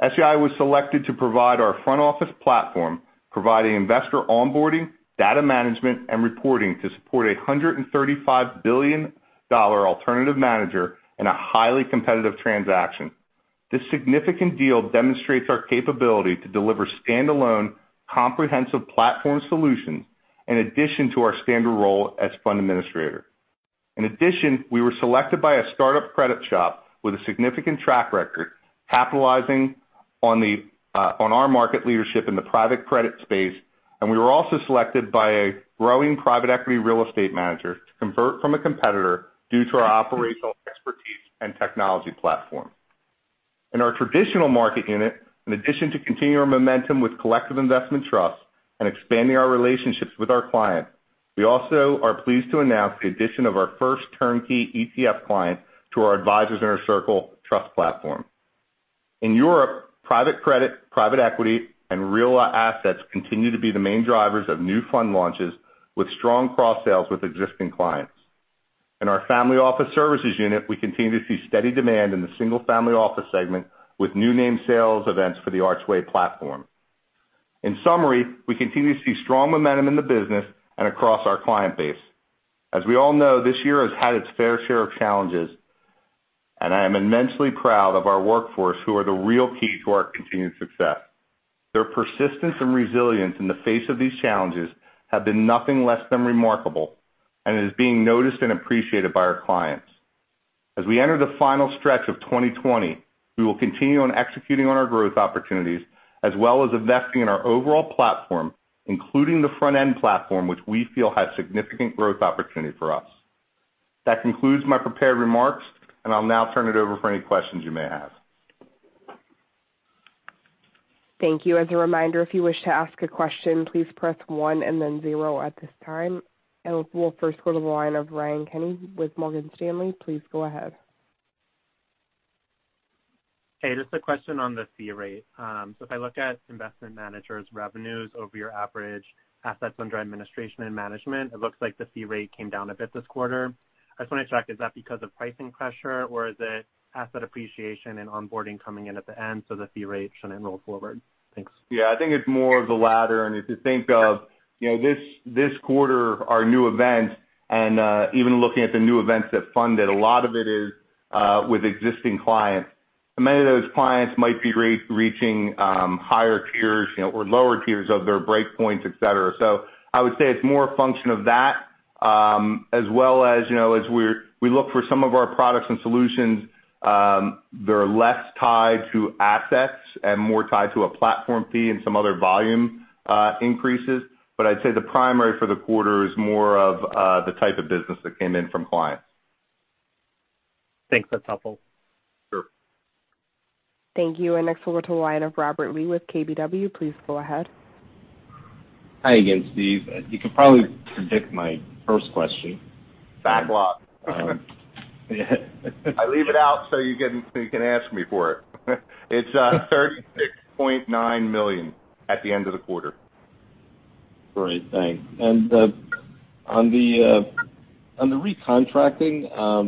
SEI was selected to provide our front-office platform, providing investor onboarding, data management, and reporting to support a $135 billion alternative manager in a highly competitive transaction. This significant deal demonstrates our capability to deliver standalone comprehensive platform solutions in addition to our standard role as fund administrator. In addition, we were selected by a startup credit shop with a significant track record, capitalizing on our market leadership in the private credit space, and we were also selected by a growing private equity real estate manager to convert from a competitor due to our operational expertise and technology platform. In our traditional market unit, in addition to continuing our momentum with collective investment trusts and expanding our relationships with our clients, we also are pleased to announce the addition of our first turnkey ETF client to our Advisors' Inner Circle trust platform. In Europe, private credit, private equity, and real assets continue to be the main drivers of new fund launches with strong cross-sales with existing clients. In our family office services unit, we continue to see steady demand in the single-family office segment with new name sales events for the Archway platform. In summary, we continue to see strong momentum in the business and across our client base. As we all know, this year has had its fair share of challenges, and I am immensely proud of our workforce, who are the real key to our continued success. Their persistence and resilience in the face of these challenges have been nothing less than remarkable and it is being noticed and appreciated by our clients. As we enter the final stretch of 2020, we will continue on executing on our growth opportunities as well as investing in our overall platform, including the front-end platform, which we feel has significant growth opportunity for us. That concludes my prepared remarks. I'll now turn it over for any questions you may have. Thank you. As a reminder, if you wish to ask a question, please press one and then zero at this time. And we'll first go to the line of Ryan Kenney with Morgan Stanley. Please go ahead. Hey, just a question on the fee rate. If I look at investment managers' revenues over your average assets under administration and management, it looks like the fee rate came down a bit this quarter. I just want to check, is that because of pricing pressure or is it asset appreciation and onboarding coming in at the end, so the fee rate shouldn't roll forward? Thanks. Yeah, I think it's more of the latter. If you think of this quarter, our new events and even looking at the new events that funded, a lot of it is with existing clients. Many of those clients might be reaching higher tiers or lower tiers of their breakpoints, et cetera. I would say it's more a function of that, as well, you know, l as we look for some of our products and solutions that are less tied to assets and more tied to a platform fee and some other volume increases. I'd say the primary for the quarter is more of the type of business that came in from clients. Thanks. That's helpful. Sure. Thank you. Next over to the line of Robert Lee with KBW. Please go ahead. Hi again, Steve. You can probably predict my first question. Backlog. I leave it out so you can ask me for it. It's $36.9 million at the end of the quarter. Great, thanks. On the recontracting, I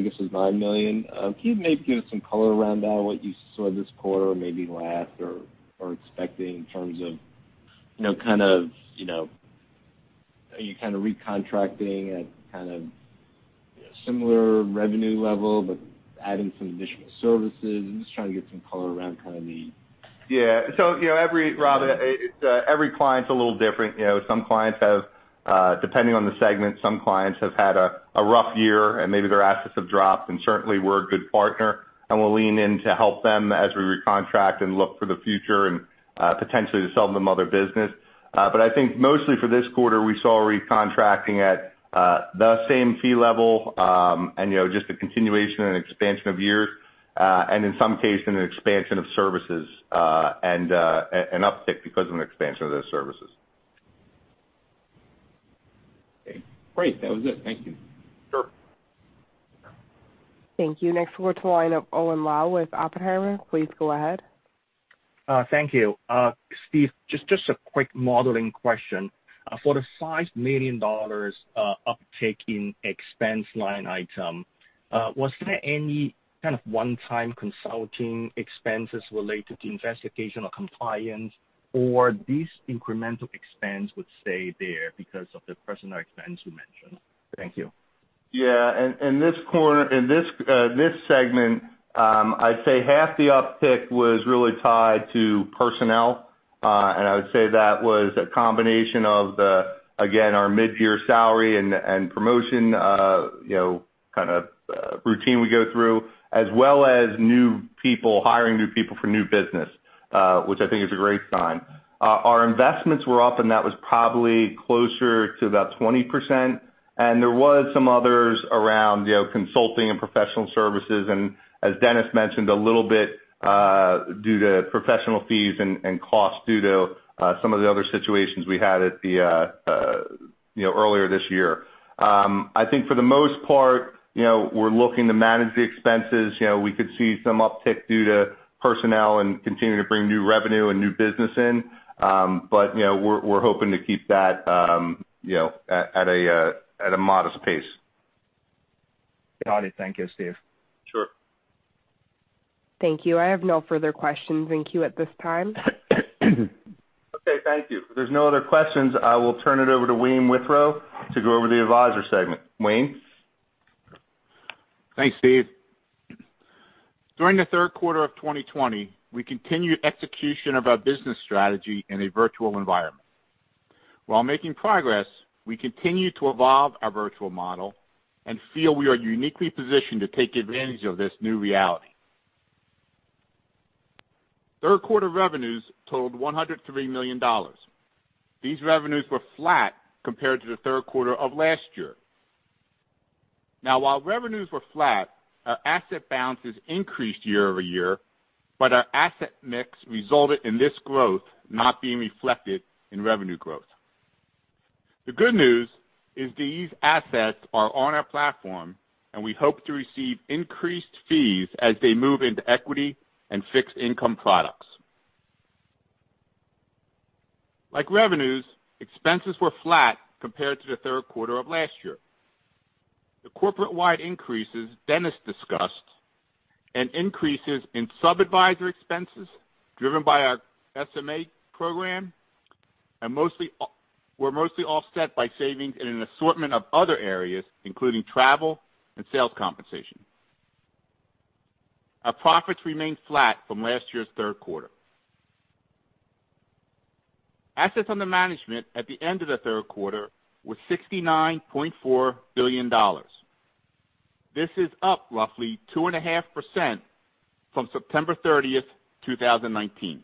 guess it was $9 million. Can you maybe give some color around that, what you saw this quarter, maybe last or are expecting in terms of, are you kind of recontracting at kind of a similar revenue level but adding some additional services? Yeah. Rob, every client's a little different. Depending on the segment, some clients have had a rough year and maybe their assets have dropped. Certainly, we're a good partner, and we'll lean in to help them as we recontract and look for the future and potentially to sell them other business. I think mostly for this quarter, we saw recontracting at the same fee level, and, you know, just a continuation and expansion of years. In some cases, an expansion of services, and an uptick because of an expansion of those services. Okay, great. That was it. Thank you. Sure. Thank you. Next, we'll go to the line of Owen Lau with Oppenheimer. Please go ahead. Thank you. Steve, just a quick modeling question. For the $5 million uptick in expense line item, was there any kind of one-time consulting expenses related to investigation of compliance, or this incremental expense would stay there because of the personnel expense you mentioned? Thank you. Yeah. In this segment, I'd say half the uptick was really tied to personnel. I would say that was a combination of the, again, our mid-year salary and promotion, you know, kind of routine we go through, as well as hiring new people for new business. Which I think is a great sign. Our investments were up, and that was probably closer to about 20%. There was some others around consulting and professional services. As Dennis mentioned, a little bit due to professional fees and costs due to some of the other situations we had, you know, earlier this year. I think for the most part, you know, we're looking to manage the expenses. We could see some uptick due to personnel and continuing to bring new revenue and new business in. But, we're hoping to keep that at a modest pace. Got it. Thank you, Steve. Sure. Thank you. I have no further questions in queue at this time. Okay, thank you. If there's no other questions, I will turn it over to Wayne Withrow to go over the advisor segment. Wayne? Thanks, Steve. During the third quarter of 2020, we continued execution of our business strategy in a virtual environment. While making progress, we continue to evolve our virtual model and feel we are uniquely positioned to take advantage of this new reality. Third quarter revenues totaled $103 million. These revenues were flat compared to the third quarter of last year. While revenues were flat, our asset balances increased year-over-year, but our asset mix resulted in this growth not being reflected in revenue growth. The good news is these assets are on our platform, and we hope to receive increased fees as they move into equity and fixed income products. Like revenues, expenses were flat compared to the third quarter of last year. The corporate-wide increases Dennis discussed and increases in sub-adviser expenses driven by our SMA program were mostly offset by savings in an assortment of other areas, including travel and sales compensation. Our profits remained flat from last year's third quarter. Assets under management at the end of the third quarter were $69.4 billion. This is up roughly 2.5% from September 30th, 2019.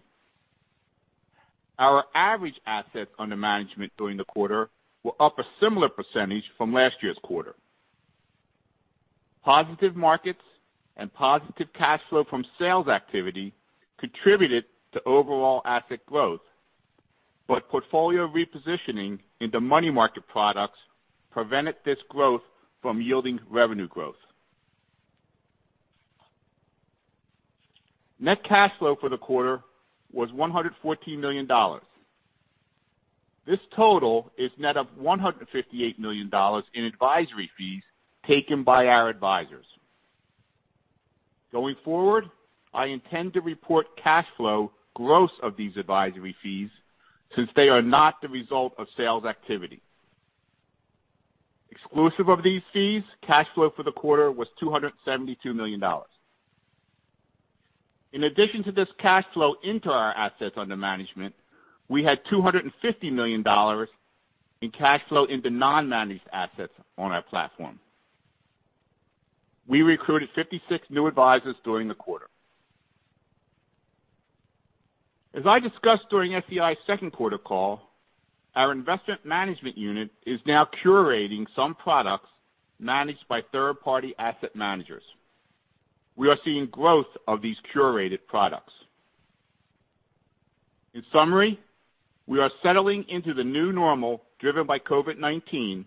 Our average assets under management during the quarter were up a similar percentage from last year's quarter. Positive markets and positive cash flow from sales activity contributed to overall asset growth, but portfolio repositioning into money market products prevented this growth from yielding revenue growth. Net cash flow for the quarter was $114 million. This total is net of $158 million in advisory fees taken by our advisors. Going forward, I intend to report cash flow gross of these advisory fees, since they are not the result of sales activity. Exclusive of these fees, cash flow for the quarter was $272 million. In addition to this cash flow into our assets under management, we had $250 million in cash flow into non-managed assets on our platform. We recruited 56 new advisors during the quarter. As I discussed during SEI's second quarter call, our investment management unit is now curating some products managed by third-party asset managers. We are seeing growth of these curated products. In summary, we are settling into the new normal driven by COVID-19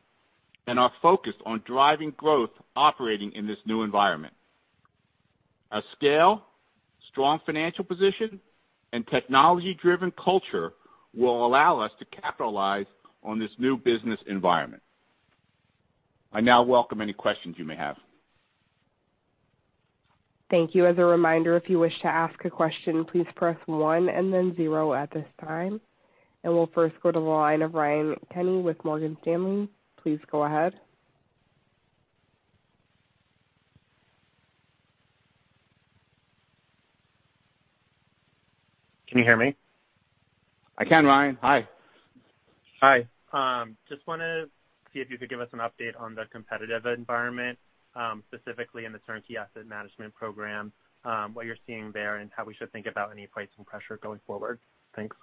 and are focused on driving growth operating in this new environment. Our scale, strong financial position, and technology-driven culture will allow us to capitalize on this new business environment. I now welcome any questions you may have. Thank you. As a reminder, if you wish to ask a question, please press one then zero at this time. And we'll first go to the line of Ryan Kenney with Morgan Stanley. Please go ahead. Can you hear me? I can, Ryan. Hi. Hi. Just want to see if you could give us an update on the competitive environment, specifically in the turnkey asset management program, what you're seeing there, and how we should think about any pricing pressure going forward. Thanks.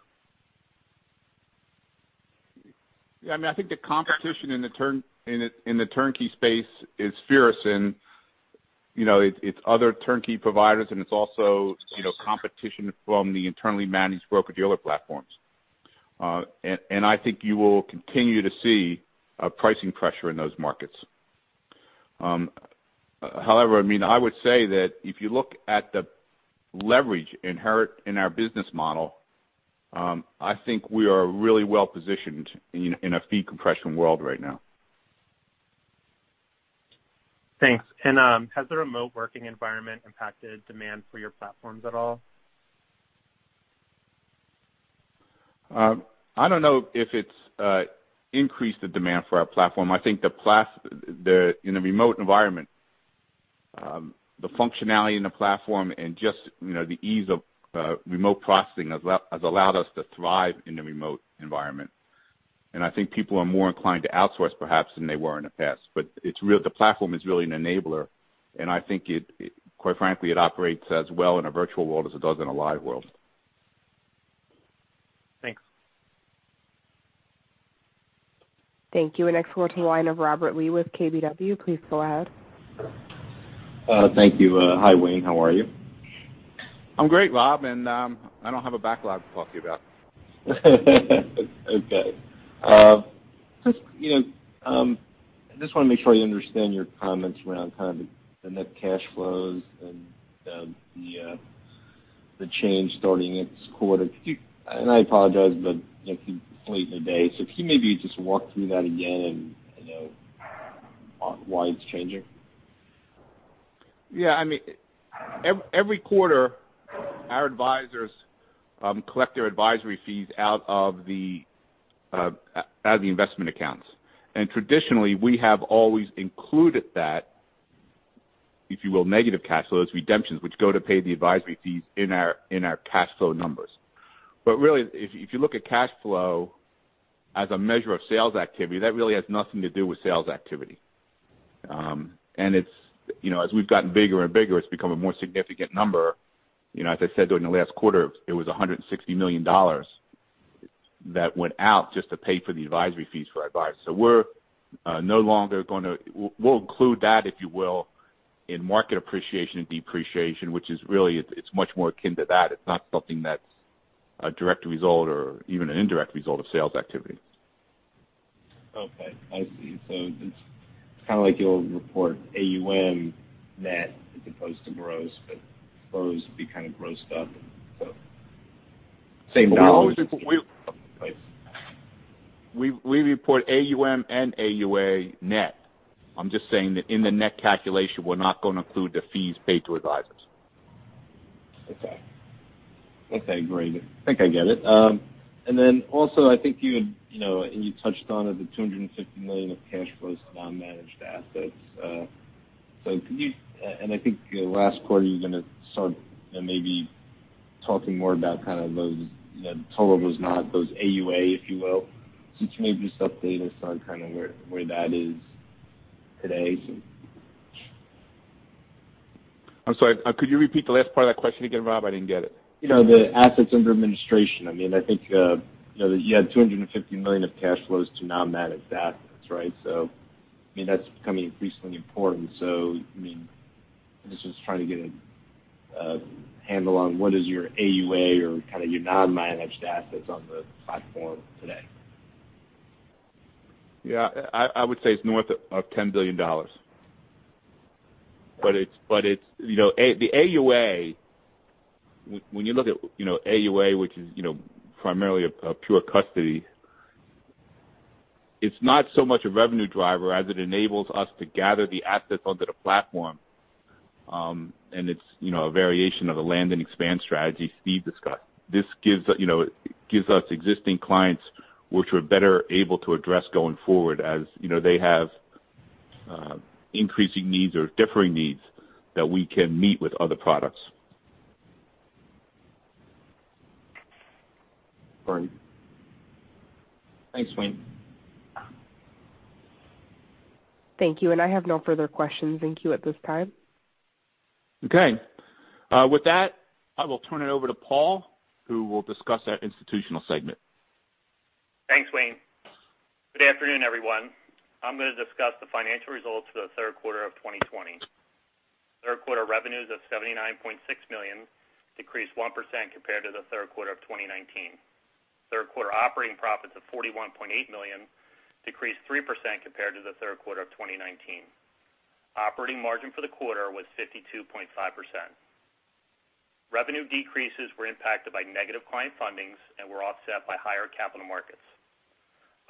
Yeah, I think the competition in the turnkey space is fierce, and it's other turnkey providers, and it's also competition from the internally managed broker-dealer platforms. I think you will continue to see pricing pressure in those markets. However, I would say that if you look at the leverage inherent in our business model, I think we are really well-positioned in a fee compression world right now. Thanks. Has the remote working environment impacted demand for your platforms at all? I don't know if it's increased the demand for our platform. I think in the remote environment, the functionality in the platform and just the ease of remote processing has allowed us to thrive in the remote environment. I think people are more inclined to outsource perhaps than they were in the past. The platform is really an enabler, and I think quite frankly, it operates as well in a virtual world as it does in a live world. Thanks. Thank you. Next we'll go to the line of Robert Lee with KBW. Please go ahead. Thank you. Hi, Wayne. How are you? I'm great, Rob, and I don't have a backlog to talk to you about. Okay. I just want to make sure I understand your comments around the net cash flows and the change starting this quarter. I apologize, but it's late in the day. If you maybe just walk through that again and why it's changing? Yeah. Every quarter, our advisors collect their advisory fees out of the investment accounts. Traditionally, we have always included that, if you will, negative cash flows, redemptions, which go to pay the advisory fees in our cash flow numbers. Really, if you look at cash flow as a measure of sales activity, that really has nothing to do with sales activity. You know, as we've gotten bigger and bigger, it's become a more significant number. As I said during the last quarter, it was $160 million that went out just to pay for the advisory fees for our advisors. We'll include that, if you will, in market appreciation and depreciation, which is really, it's much more akin to that. It's not something that's a direct result or even an indirect result of sales activity. Okay. I see. It's like you'll report AUM net as opposed to gross, but flows would be kind of grossed up. Same dollars. Right. We report AUM and AUA net. I'm just saying that in the net calculation, we're not going to include the fees paid to advisors. Okay, great. I think I get it. Also, I think, you know, you touched on the $250 million of cash flows to non-managed assets. I think last quarter, you're going to start maybe talking more about those totals, not those AUA, if you will. Could you maybe just update us on where that is today? I'm sorry. Could you repeat the last part of that question again, Rob? I didn't get it. The assets under administration. I think you had $250 million of cash flows to non-managed assets, right? I mean, that's becoming increasingly important. I'm just trying to get a handle on what is your AUA or your non-managed assets on the platform today. Yeah. I would say it's north of $10 billion. The AUA, when you look at AUA, which is, you know, primarily a pure custody, it's not so much a revenue driver as it enables us to gather the assets onto the platform, and it's a variation of the land and expand strategy Steve discussed. This gives us existing clients which we're better able to address going forward as they have increasing needs or differing needs that we can meet with other products. Great. Thanks, Wayne. Thank you. I have no further questions in queue at this time. Okay. With that, I will turn it over to Paul, who will discuss our Institutional segment. Thanks, Wayne. Good afternoon, everyone. I'm going to discuss the financial results for the third quarter of 2020. Third quarter revenues of $79.6 million, decreased 1% compared to the third quarter of 2019. Third quarter operating profits of $41.8 million, decreased 3% compared to the third quarter of 2019. Operating margin for the quarter was 52.5%. Revenue decreases were impacted by negative client fundings and were offset by higher capital markets.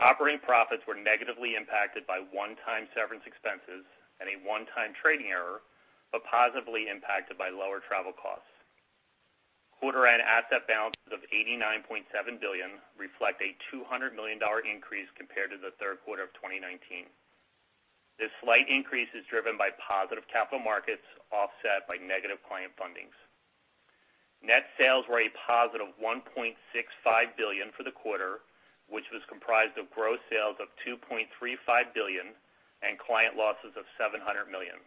Operating profits were negatively impacted by one-time severance expenses and a one-time trading error, but positively impacted by lower travel costs. Quarter end asset balances of $89.7 billion reflect a $200 million increase compared to the third quarter of 2019. This slight increase is driven by positive capital markets offset by negative client fundings. Net sales were a +$1.65 billion for the quarter, which was comprised of gross sales of $2.35 billion and client losses of $700 million.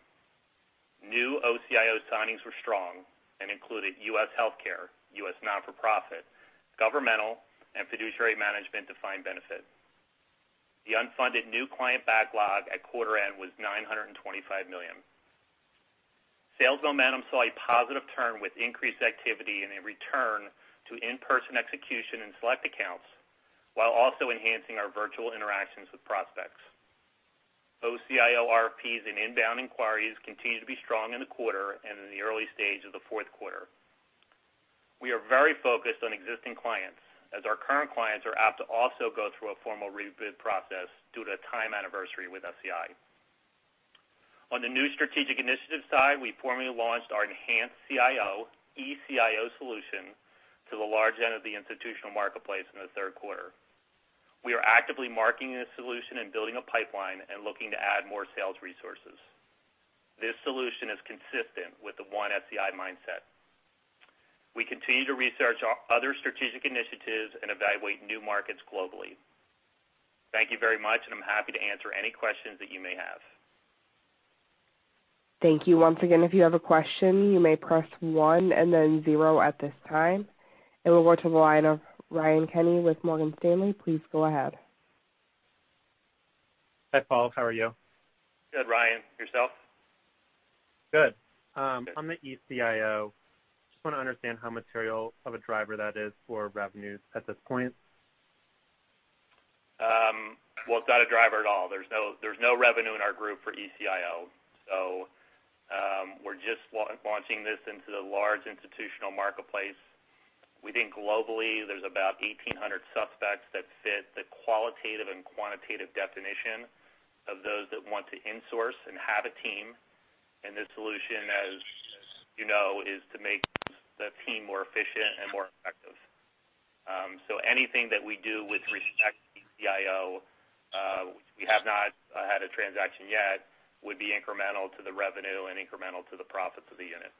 New OCIO signings were strong and included U.S. healthcare, U.S. not-for-profit, governmental, and fiduciary management defined benefit. The unfunded new client backlog at quarter end was $925 million. Sales momentum saw a positive turn with increased activity and a return to in-person execution in select accounts, while also enhancing our virtual interactions with prospects. OCIO RFPs and inbound inquiries continue to be strong in the quarter and in the early stage of the fourth quarter. We are very focused on existing clients, as our current clients are apt to also go through a formal rebid process due to time anniversary with SEI. On the new strategic initiative side, we formally launched our Enhanced CIO, ECIO solution to the large end of the institutional marketplace in the third quarter. We are actively marketing this solution and building a pipeline and looking to add more sales resources. This solution is consistent with the One SEI mindset. We continue to research other strategic initiatives and evaluate new markets globally. Thank you very much, and I'm happy to answer any questions that you may have. Thank you. Once again, if you have a question, you may press one and then zero at this time. We'll go to the line of Ryan Kenney with Morgan Stanley. Please go ahead. Hi, Paul. How are you? Good, Ryan. Yourself? Good. On the ECIO, just want to understand how material of a driver that is for revenues at this point? It's not a driver at all. There's no revenue in our group for ECIO. We're just launching this into the large institutional marketplace. We think globally, there's about 1,800 suspects that fit the qualitative and quantitative definition of those that want to insource and have a team. The solution, as you know, is to make the team more efficient and more effective. Anything that we do with respect to ECIO, we have not had a transaction yet, would be incremental to the revenue and incremental to the profits of the unit.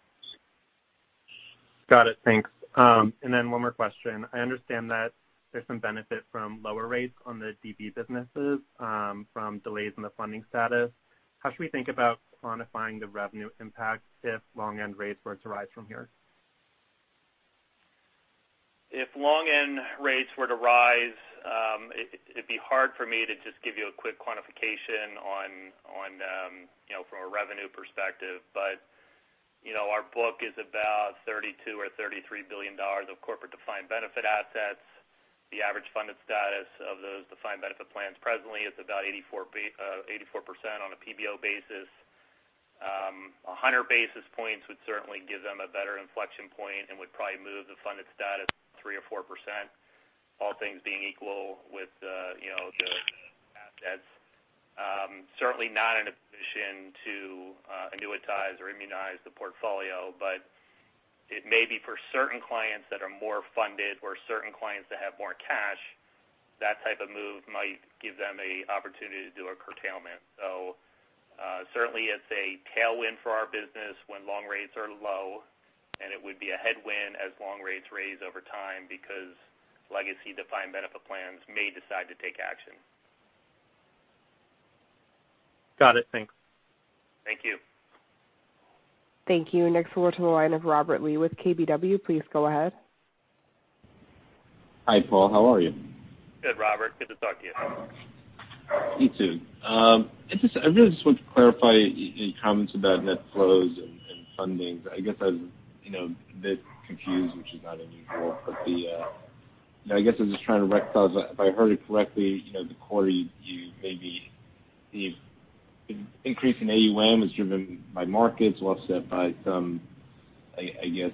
Got it. Thanks. One more question. I understand that there's some benefit from lower rates on the DB businesses from delays in the funding status. How should we think about quantifying the revenue impact if long end rates were to rise from here? If long end rates were to rise, it'd be hard for me to just give you a quick quantification, you know, from a revenue perspective. You know, our book is about $32 billion or $33 billion of corporate defined benefit assets. The average funded status of those defined benefit plans presently is about 84% on a PBO basis. A 100 basis points would certainly give them a better inflection point and would probably move the funded status 3% or 4%, all things being equal with the, you know, assets. Certainly not in a position to annuitize or immunize the portfolio, but it may be for certain clients that are more funded or certain clients that have more cash, that type of move might give them a opportunity to do a curtailment. Certainly it's a tailwind for our business when long rates are low, and it would be a headwind as long rates raise over time because legacy defined benefit plans may decide to take action. Got it. Thanks. Thank you. Thank you. Next we'll go to the line of Robert Lee with KBW. Please go ahead. Hi, Paul. How are you? Good, Robert. Good to talk to you. You too. I really just want to clarify any comments about net flows and fundings. I guess, you know, I was a bit confused, which is not unusual, but I guess I'm just trying to reconcile. If I heard it correctly, the quarter the increase in AUM was driven by markets, offset by some, I guess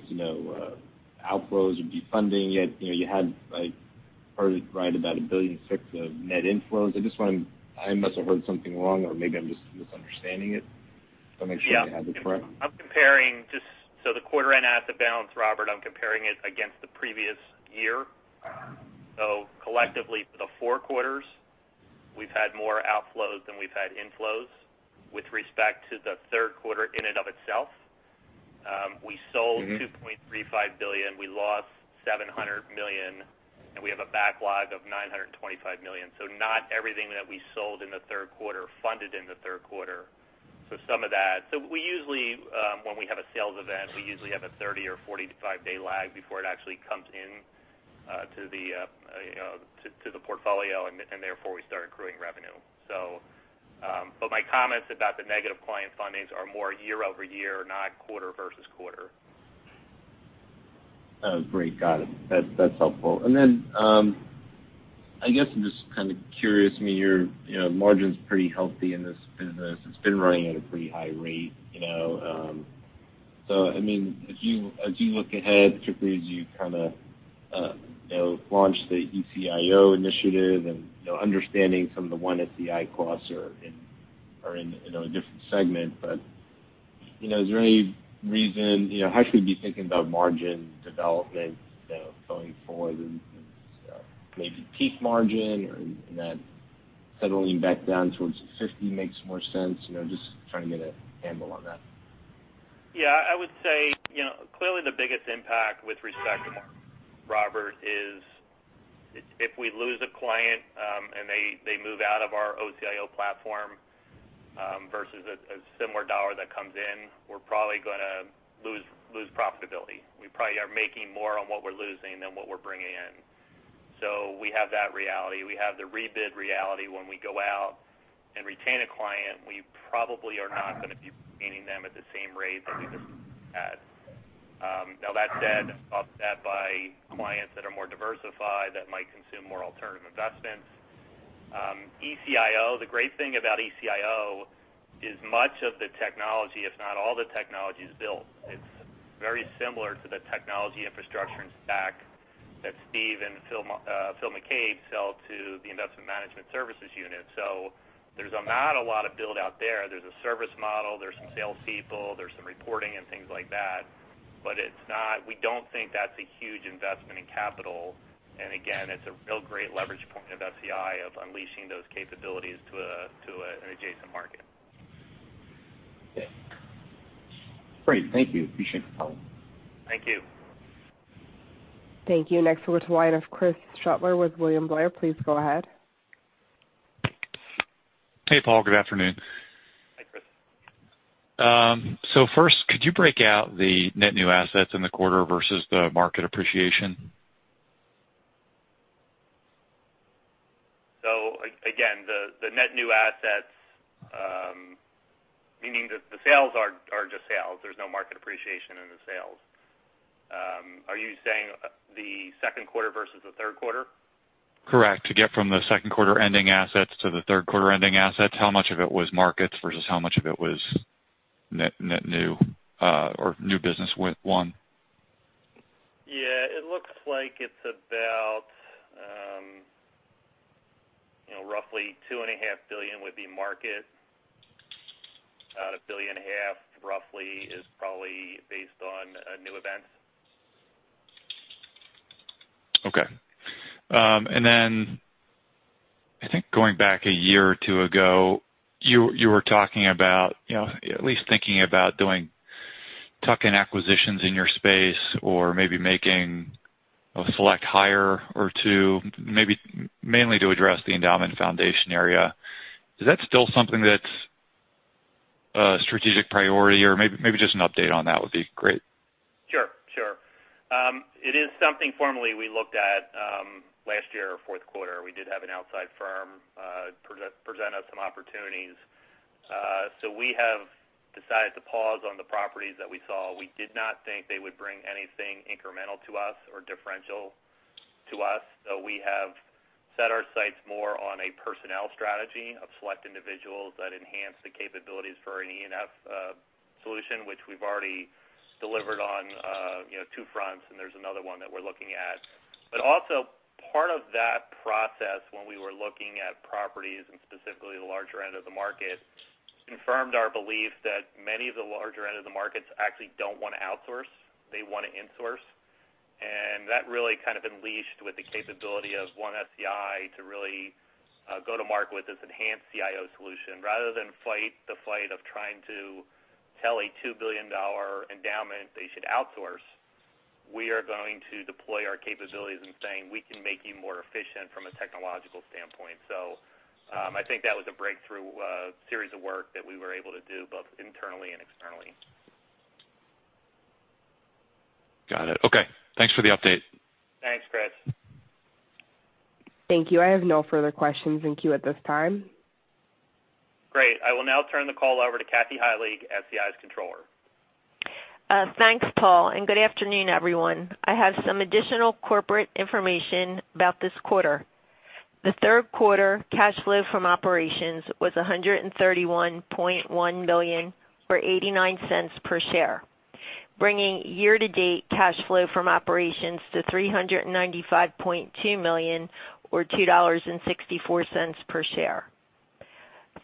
outflows or defunding, yet you had, I heard it right about $1.6 billion of net inflows. I must have heard something wrong or maybe I'm just misunderstanding it. I wanna make sure I have it correct. The quarter end asset balance, Robert, I'm comparing it against the previous year. Collectively for the four quarters, we've had more outflows than we've had inflows. With respect to the third quarter in and of itself, we sold $2.35 billion. We lost $700 million, and we have a backlog of $925 million. Not everything that we sold in the third quarter funded in the third quarter. When we have a sales event, we usually have a 30 or 45-day lag before it actually comes in to the portfolio and therefore we start accruing revenue. My comments about the negative client fundings are more year-over-year, not quarter-versus-quarter. Oh, great. Got it. That's helpful. I guess I'm just kind of curious. Your margin's pretty healthy in this business. It's been running at a pretty high rate. I mean, as you look ahead, particularly as you launch the ECIO initiative and understanding some of the One SEI costs are in, you know, a different segment. How should we be thinking about margin development going forward and maybe peak margin or that settling back down towards 50% makes more sense? Just trying to get a handle on that. Yeah. I would say, you know, clearly the biggest impact with respect to that, Robert, is if we lose a client, and they move out of our OCIO platform, versus a similar dollar that comes in, we're probably going to lose profitability. We probably are making more on what we're losing than what we're bringing in. We have that reality. We have the rebid reality. When we go out and retain a client, we probably are not going to be retaining them at the same rate that we just had. That said, offset by clients that are more diversified, that might consume more alternative investments. ECIO, the great thing about ECIO is much of the technology, if not all the technology, is built. It's very similar to the technology infrastructure and stack that Steve and Phil McCabe sell to the investment management services unit. There's not a lot of build out there. There's a service model, there's some salespeople, there's some reporting and things like that. We don't think that's a huge investment in capital. Again, it's a real great leverage point of SEI of unleashing those capabilities to an adjacent market. Okay. Great. Thank you. Appreciate the call. Thank you. Thank you. Next, over to the line of Chris Shutler with William Blair. Please go ahead. Hey, Paul. Good afternoon. Hi, Chris. First, could you break out the net new assets in the quarter versus the market appreciation? Again, the net new assets, meaning the sales are just sales. There's no market appreciation in the sales. Are you saying the second quarter versus the third quarter? Correct. To get from the second quarter ending assets to the third quarter ending assets, how much of it was markets versus how much of it was net new or new business won? Yeah. It looks like it's about roughly $2.5 Billion would be market. About $1.5 billion roughly is probably based on new events. Okay. I think going back a year or two ago, you were talking about, you know, at least thinking about doing tuck-in acquisitions in your space or maybe making a select hire or two, maybe mainly to address the endowment foundation area. Is that still something that's a strategic priority? Maybe just an update on that would be great. Sure. It is something formally we looked at last year, fourth quarter. We did have an outside firm present us some opportunities. We have decided to pause on the properties that we saw. We did not think they would bring anything incremental to us or differential to us. We have set our sights more on a personnel strategy of select individuals that enhance the capabilities for an E&F solution, which we've already delivered on you know, two fronts, and there's another one that we're looking at. Also part of that process when we were looking at properties and specifically the larger end of the market, confirmed our belief that many of the larger end of the markets actually don't want to outsource. They want to insource. That really kind of unleashed with the capability of One SEI to really go to market with this Enhanced CIO solution. Rather than fight the fight of trying to tell a $2 billion endowment they should outsource, we are going to deploy our capabilities in saying; We can make you more efficient from a technological standpoint. I think that was a breakthrough series of work that we were able to do both internally and externally. Got it. Okay. Thanks for the update. Thanks, Chris. Thank you. I have no further questions in queue at this time. Great. I will now turn the call over to Kathy Heilig, SEI's Controller. Thanks, Paul. Good afternoon, everyone. I have some additional corporate information about this quarter. The third quarter cash flow from operations was $131.1 million, or $0.89 per share, bringing year-to-date cash flow from operations to $395.2 million, or $2.64 per share.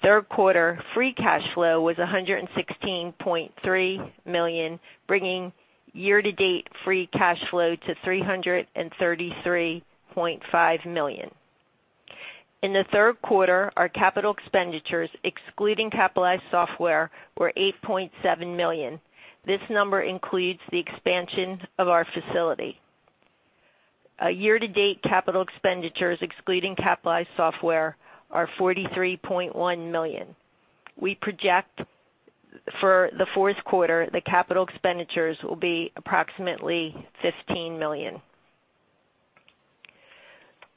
Third quarter free cash flow was $116.3 million, bringing year-to-date free cash flow to $333.5 million. In the third quarter, our capital expenditures, excluding capitalized software, were $8.7 million. This number includes the expansion of our facility. Year-to-date capital expenditures, excluding capitalized software, are $43.1 million. We project for the fourth quarter the capital expenditures will be approximately $15 million.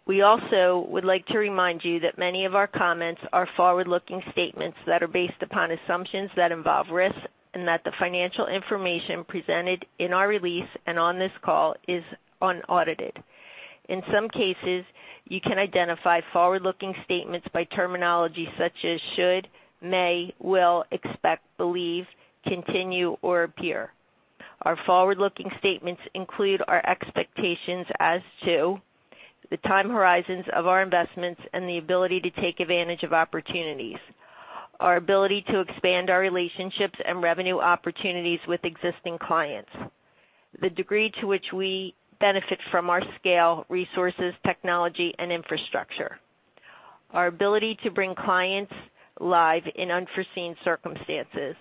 We also would like to remind you that many of our comments are forward-looking statements that are based upon assumptions that involve risk, and that the financial information presented in our release and on this call is unaudited. In some cases, you can identify forward-looking statements by terminology such as should, may, will, expect, believe, continue, or appear. Our forward-looking statements include our expectations as to the time horizons of our investments and the ability to take advantage of opportunities. Our ability to expand our relationships and revenue opportunities with existing clients. The degree to which we benefit from our scale, resources, technology, and infrastructure. Our ability to bring clients live in unforeseen circumstances.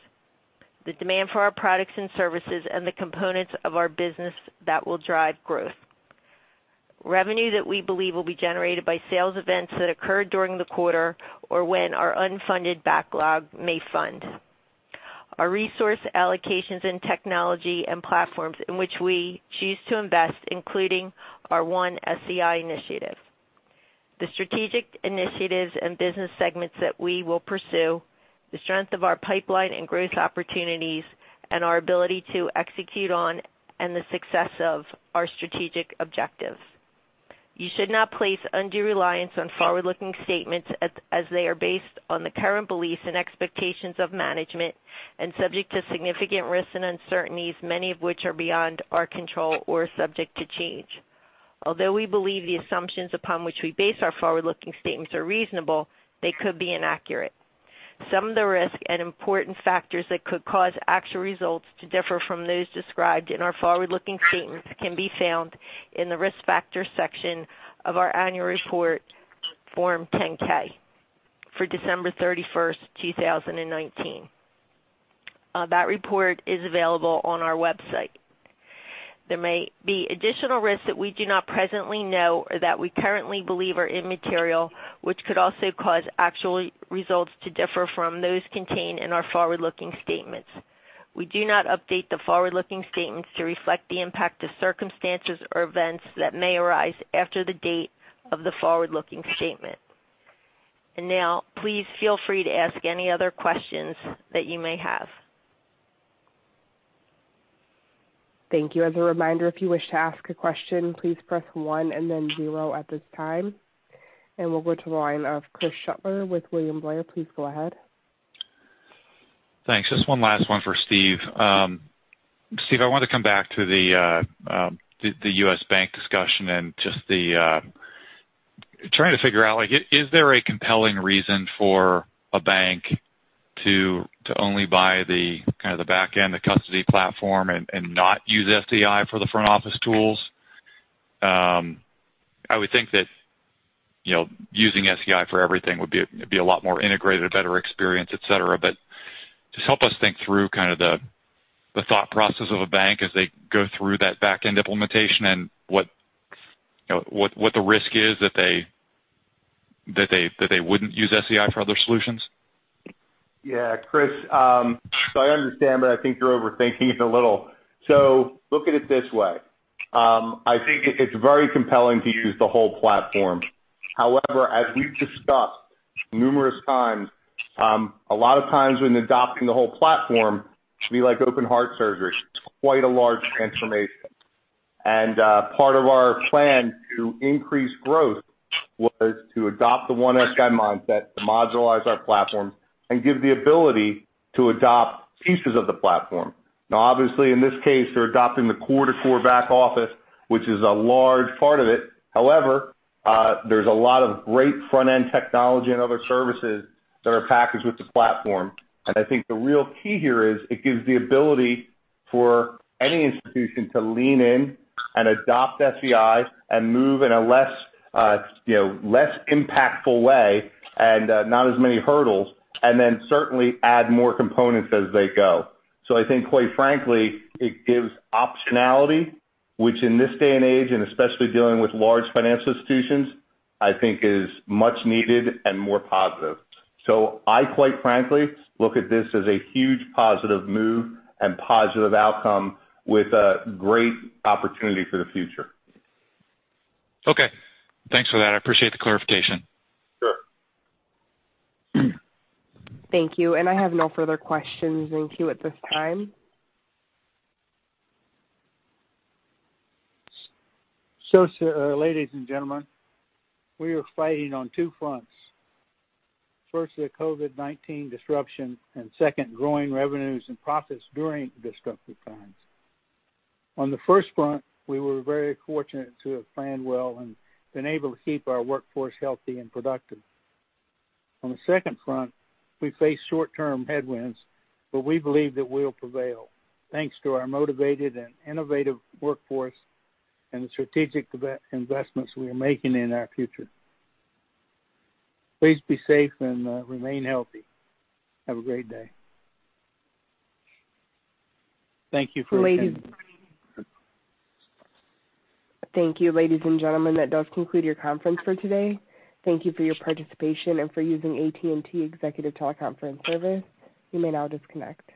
The demand for our products and services and the components of our business that will drive growth. Revenue that we believe will be generated by sales events that occurred during the quarter or when our unfunded backlog may fund. Our resource allocations in technology and platforms in which we choose to invest, including our One SEI initiative. The strategic initiatives and business segments that we will pursue, the strength of our pipeline and growth opportunities, and our ability to execute on, and the success of our strategic objectives. You should not place undue reliance on forward-looking statements as they are based on the current beliefs and expectations of management and subject to significant risks and uncertainties, many of which are beyond our control or subject to change. Although we believe the assumptions upon which we base our forward-looking statements are reasonable, they could be inaccurate. Some of the risks and important factors that could cause actual results to differ from those described in our forward-looking statements can be found in the Risk Factors section of our annual report Form 10-K for December 31st, 2019. That report is available on our website. There may be additional risks that we do not presently know or that we currently believe are immaterial, which could also cause actual results to differ from those contained in our forward-looking statements. We do not update the forward-looking statements to reflect the impact of circumstances or events that may arise after the date of the forward-looking statement. Now, please feel free to ask any other questions that you may have. Thank you. As a reminder, if you wish to ask a question, please press one and then zero at this time. And we'll go to the line of Chris Shutler with William Blair. Please go ahead. Thanks. Just one last one for Steve. Steve, I wanted to come back to the U.S. Bank discussion and just trying to figure out, is there a compelling reason for a bank to only buy the back end, the custody platform, and not use SEI for the front office tools? I would think that, you know, using SEI for everything would be a lot more integrated, a better experience, et cetera. Just help us think through kind of the thought process of a bank as they go through that back-end implementation and what the risk is that they wouldn't use SEI for other solutions? Yes. Chris, I understand, but I think you're overthinking it a little. Look at it this way. I think it's very compelling to use the whole platform. However, as we've discussed numerous times, a lot of times when adopting the whole platform, it can be like open heart surgery. It's quite a large transformation. Part of our plan to increase growth was to adopt the One SEI mindset, to modularize our platform, and give the ability to adopt pieces of the platform. Obviously, in this case, they're adopting the core-to-core back office, which is a large part of it. However, there's a lot of great front-end technology and other services that are packaged with the platform. I think the real key here is it gives the ability for any institution to lean in and adopt SEI and move in a less impactful way and not as many hurdles. Certainly add more components as they go. I think quite frankly, it gives optionality, which in this day and age, and especially dealing with large financial institutions, I think is much needed and more positive. I quite frankly look at this as a huge positive move and positive outcome with a great opportunity for the future. Okay. Thanks for that. I appreciate the clarification. Sure. Thank you. I have no further questions in queue at this time. Ladies and gentlemen, we are fighting on two fronts. First, the COVID-19 disruption, and second, growing revenues and profits during disruptive times. On the first front, we were very fortunate to have planned well and been able to keep our workforce healthy and productive. On the second front, we face short-term headwinds, but we believe that we'll prevail, thanks to our motivated and innovative workforce and the strategic investments we are making in our future. Please be safe and remain healthy. Have a great day. Thank you for attending. Thank you, ladies and gentlemen, that does conclude your conference for today. Thank you for your participation and for using AT&T Executive Teleconference service. You may now disconnect.